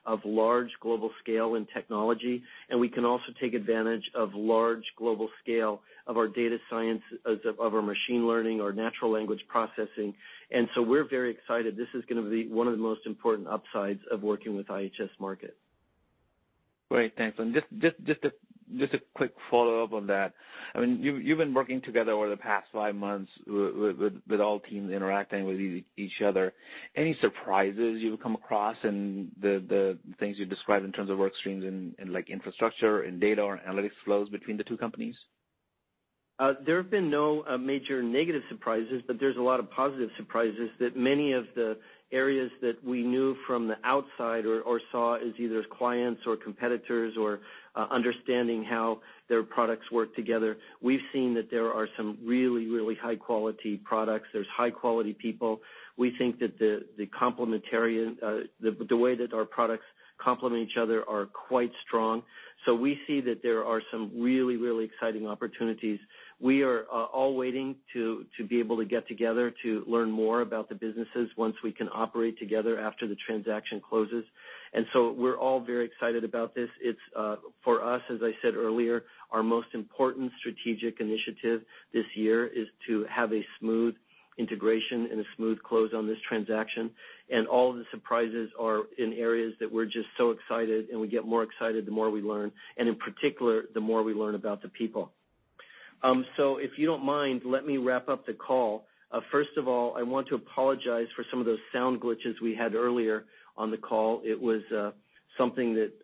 of large global scale and technology, and we can also take advantage of large global scale of our data science, of our machine learning, our natural language processing. We're very excited. This is going to be one of the most important upsides of working with IHS Markit. Great. Thanks. Just a quick follow-up on that. You've been working together over the past five months with all teams interacting with each other. Any surprises you've come across in the things you described in terms of work streams and infrastructure and data or analytics flows between the two companies? There have been no major negative surprises. There's a lot of positive surprises that many of the areas that we knew from the outside or saw as either clients or competitors or understanding how their products work together. We've seen that there are some really high-quality products. There's high-quality people. We think that the way that our products complement each other are quite strong. We see that there are some really exciting opportunities. We are all waiting to be able to get together to learn more about the businesses once we can operate together after the transaction closes. We're all very excited about this. For us, as I said earlier, our most important strategic initiative this year is to have a smooth integration and a smooth close on this transaction. All of the surprises are in areas that we're just so excited, and we get more excited the more we learn, and in particular, the more we learn about the people. If you don't mind, let me wrap up the call. First of all, I want to apologize for some of those sound glitches we had earlier on the call.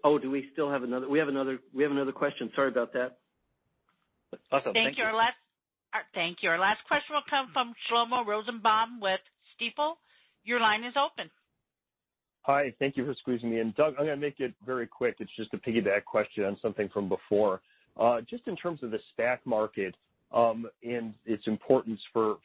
Oh, we have another question. Sorry about that. Awesome. Thank you. Thank you. Our last question will come from Shlomo Rosenbaum with Stifel. Your line is open. Hi. Thank you for squeezing me in. Doug, I'm going to make it very quick. It's just a piggyback question on something from before. In terms of the SPAC market, its importance for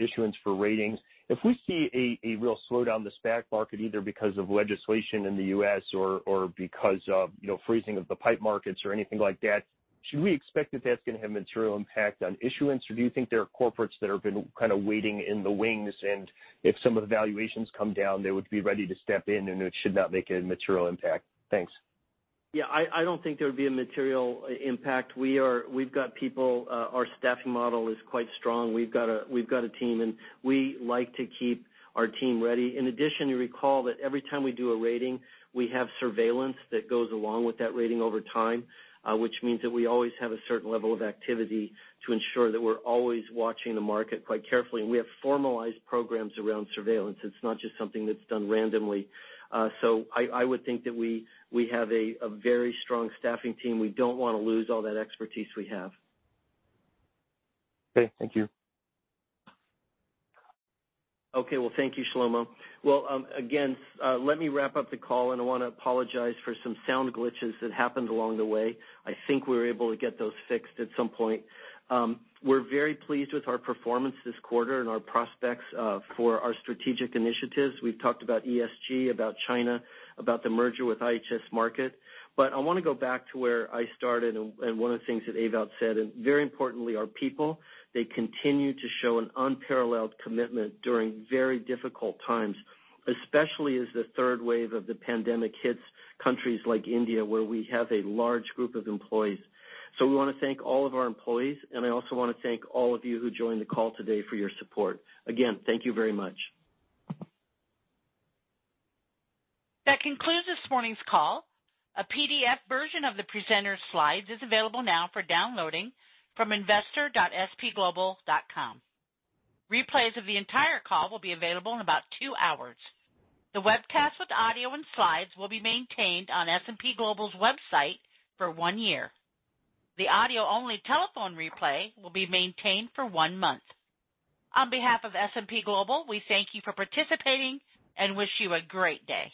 issuance for ratings. If we see a real slowdown in the SPAC market, either because of legislation in the U.S. or because of freezing of the PIPE markets or anything like that, should we expect that that's going to have a material impact on issuance? Do you think there are corporates that have been kind of waiting in the wings, and if some of the valuations come down, they would be ready to step in and it should not make a material impact? Thanks. Yeah, I don't think there would be a material impact. We've got people. Our staffing model is quite strong. We've got a team, and we like to keep our team ready. In addition, you recall that every time we do a rating, we have surveillance that goes along with that rating over time, which means that we always have a certain level of activity to ensure that we're always watching the market quite carefully. We have formalized programs around surveillance. It's not just something that's done randomly. I would think that we have a very strong staffing team. We don't want to lose all that expertise we have. Okay. Thank you. Okay. Well, thank you, Shlomo. Well, again, let me wrap up the call, and I want to apologize for some sound glitches that happened along the way. I think we were able to get those fixed at some point. We're very pleased with our performance this quarter and our prospects for our strategic initiatives. We've talked about ESG, about China, about the merger with IHS Markit. I want to go back to where I started and one of the things that Ewout said, and very importantly, our people. They continue to show an unparalleled commitment during very difficult times, especially as the third wave of the pandemic hits countries like India, where we have a large group of employees. We want to thank all of our employees, and I also want to thank all of you who joined the call today for your support. Again, thank you very much. That concludes this morning's call. A PDF version of the presenter's slides is available now for downloading from investor.spglobal.com. Replays of the entire call will be available in about two hours. The webcast with audio and slides will be maintained on S&P Global's website for one year. The audio-only telephone replay will be maintained for one month. On behalf of S&P Global, we thank you for participating and wish you a great day.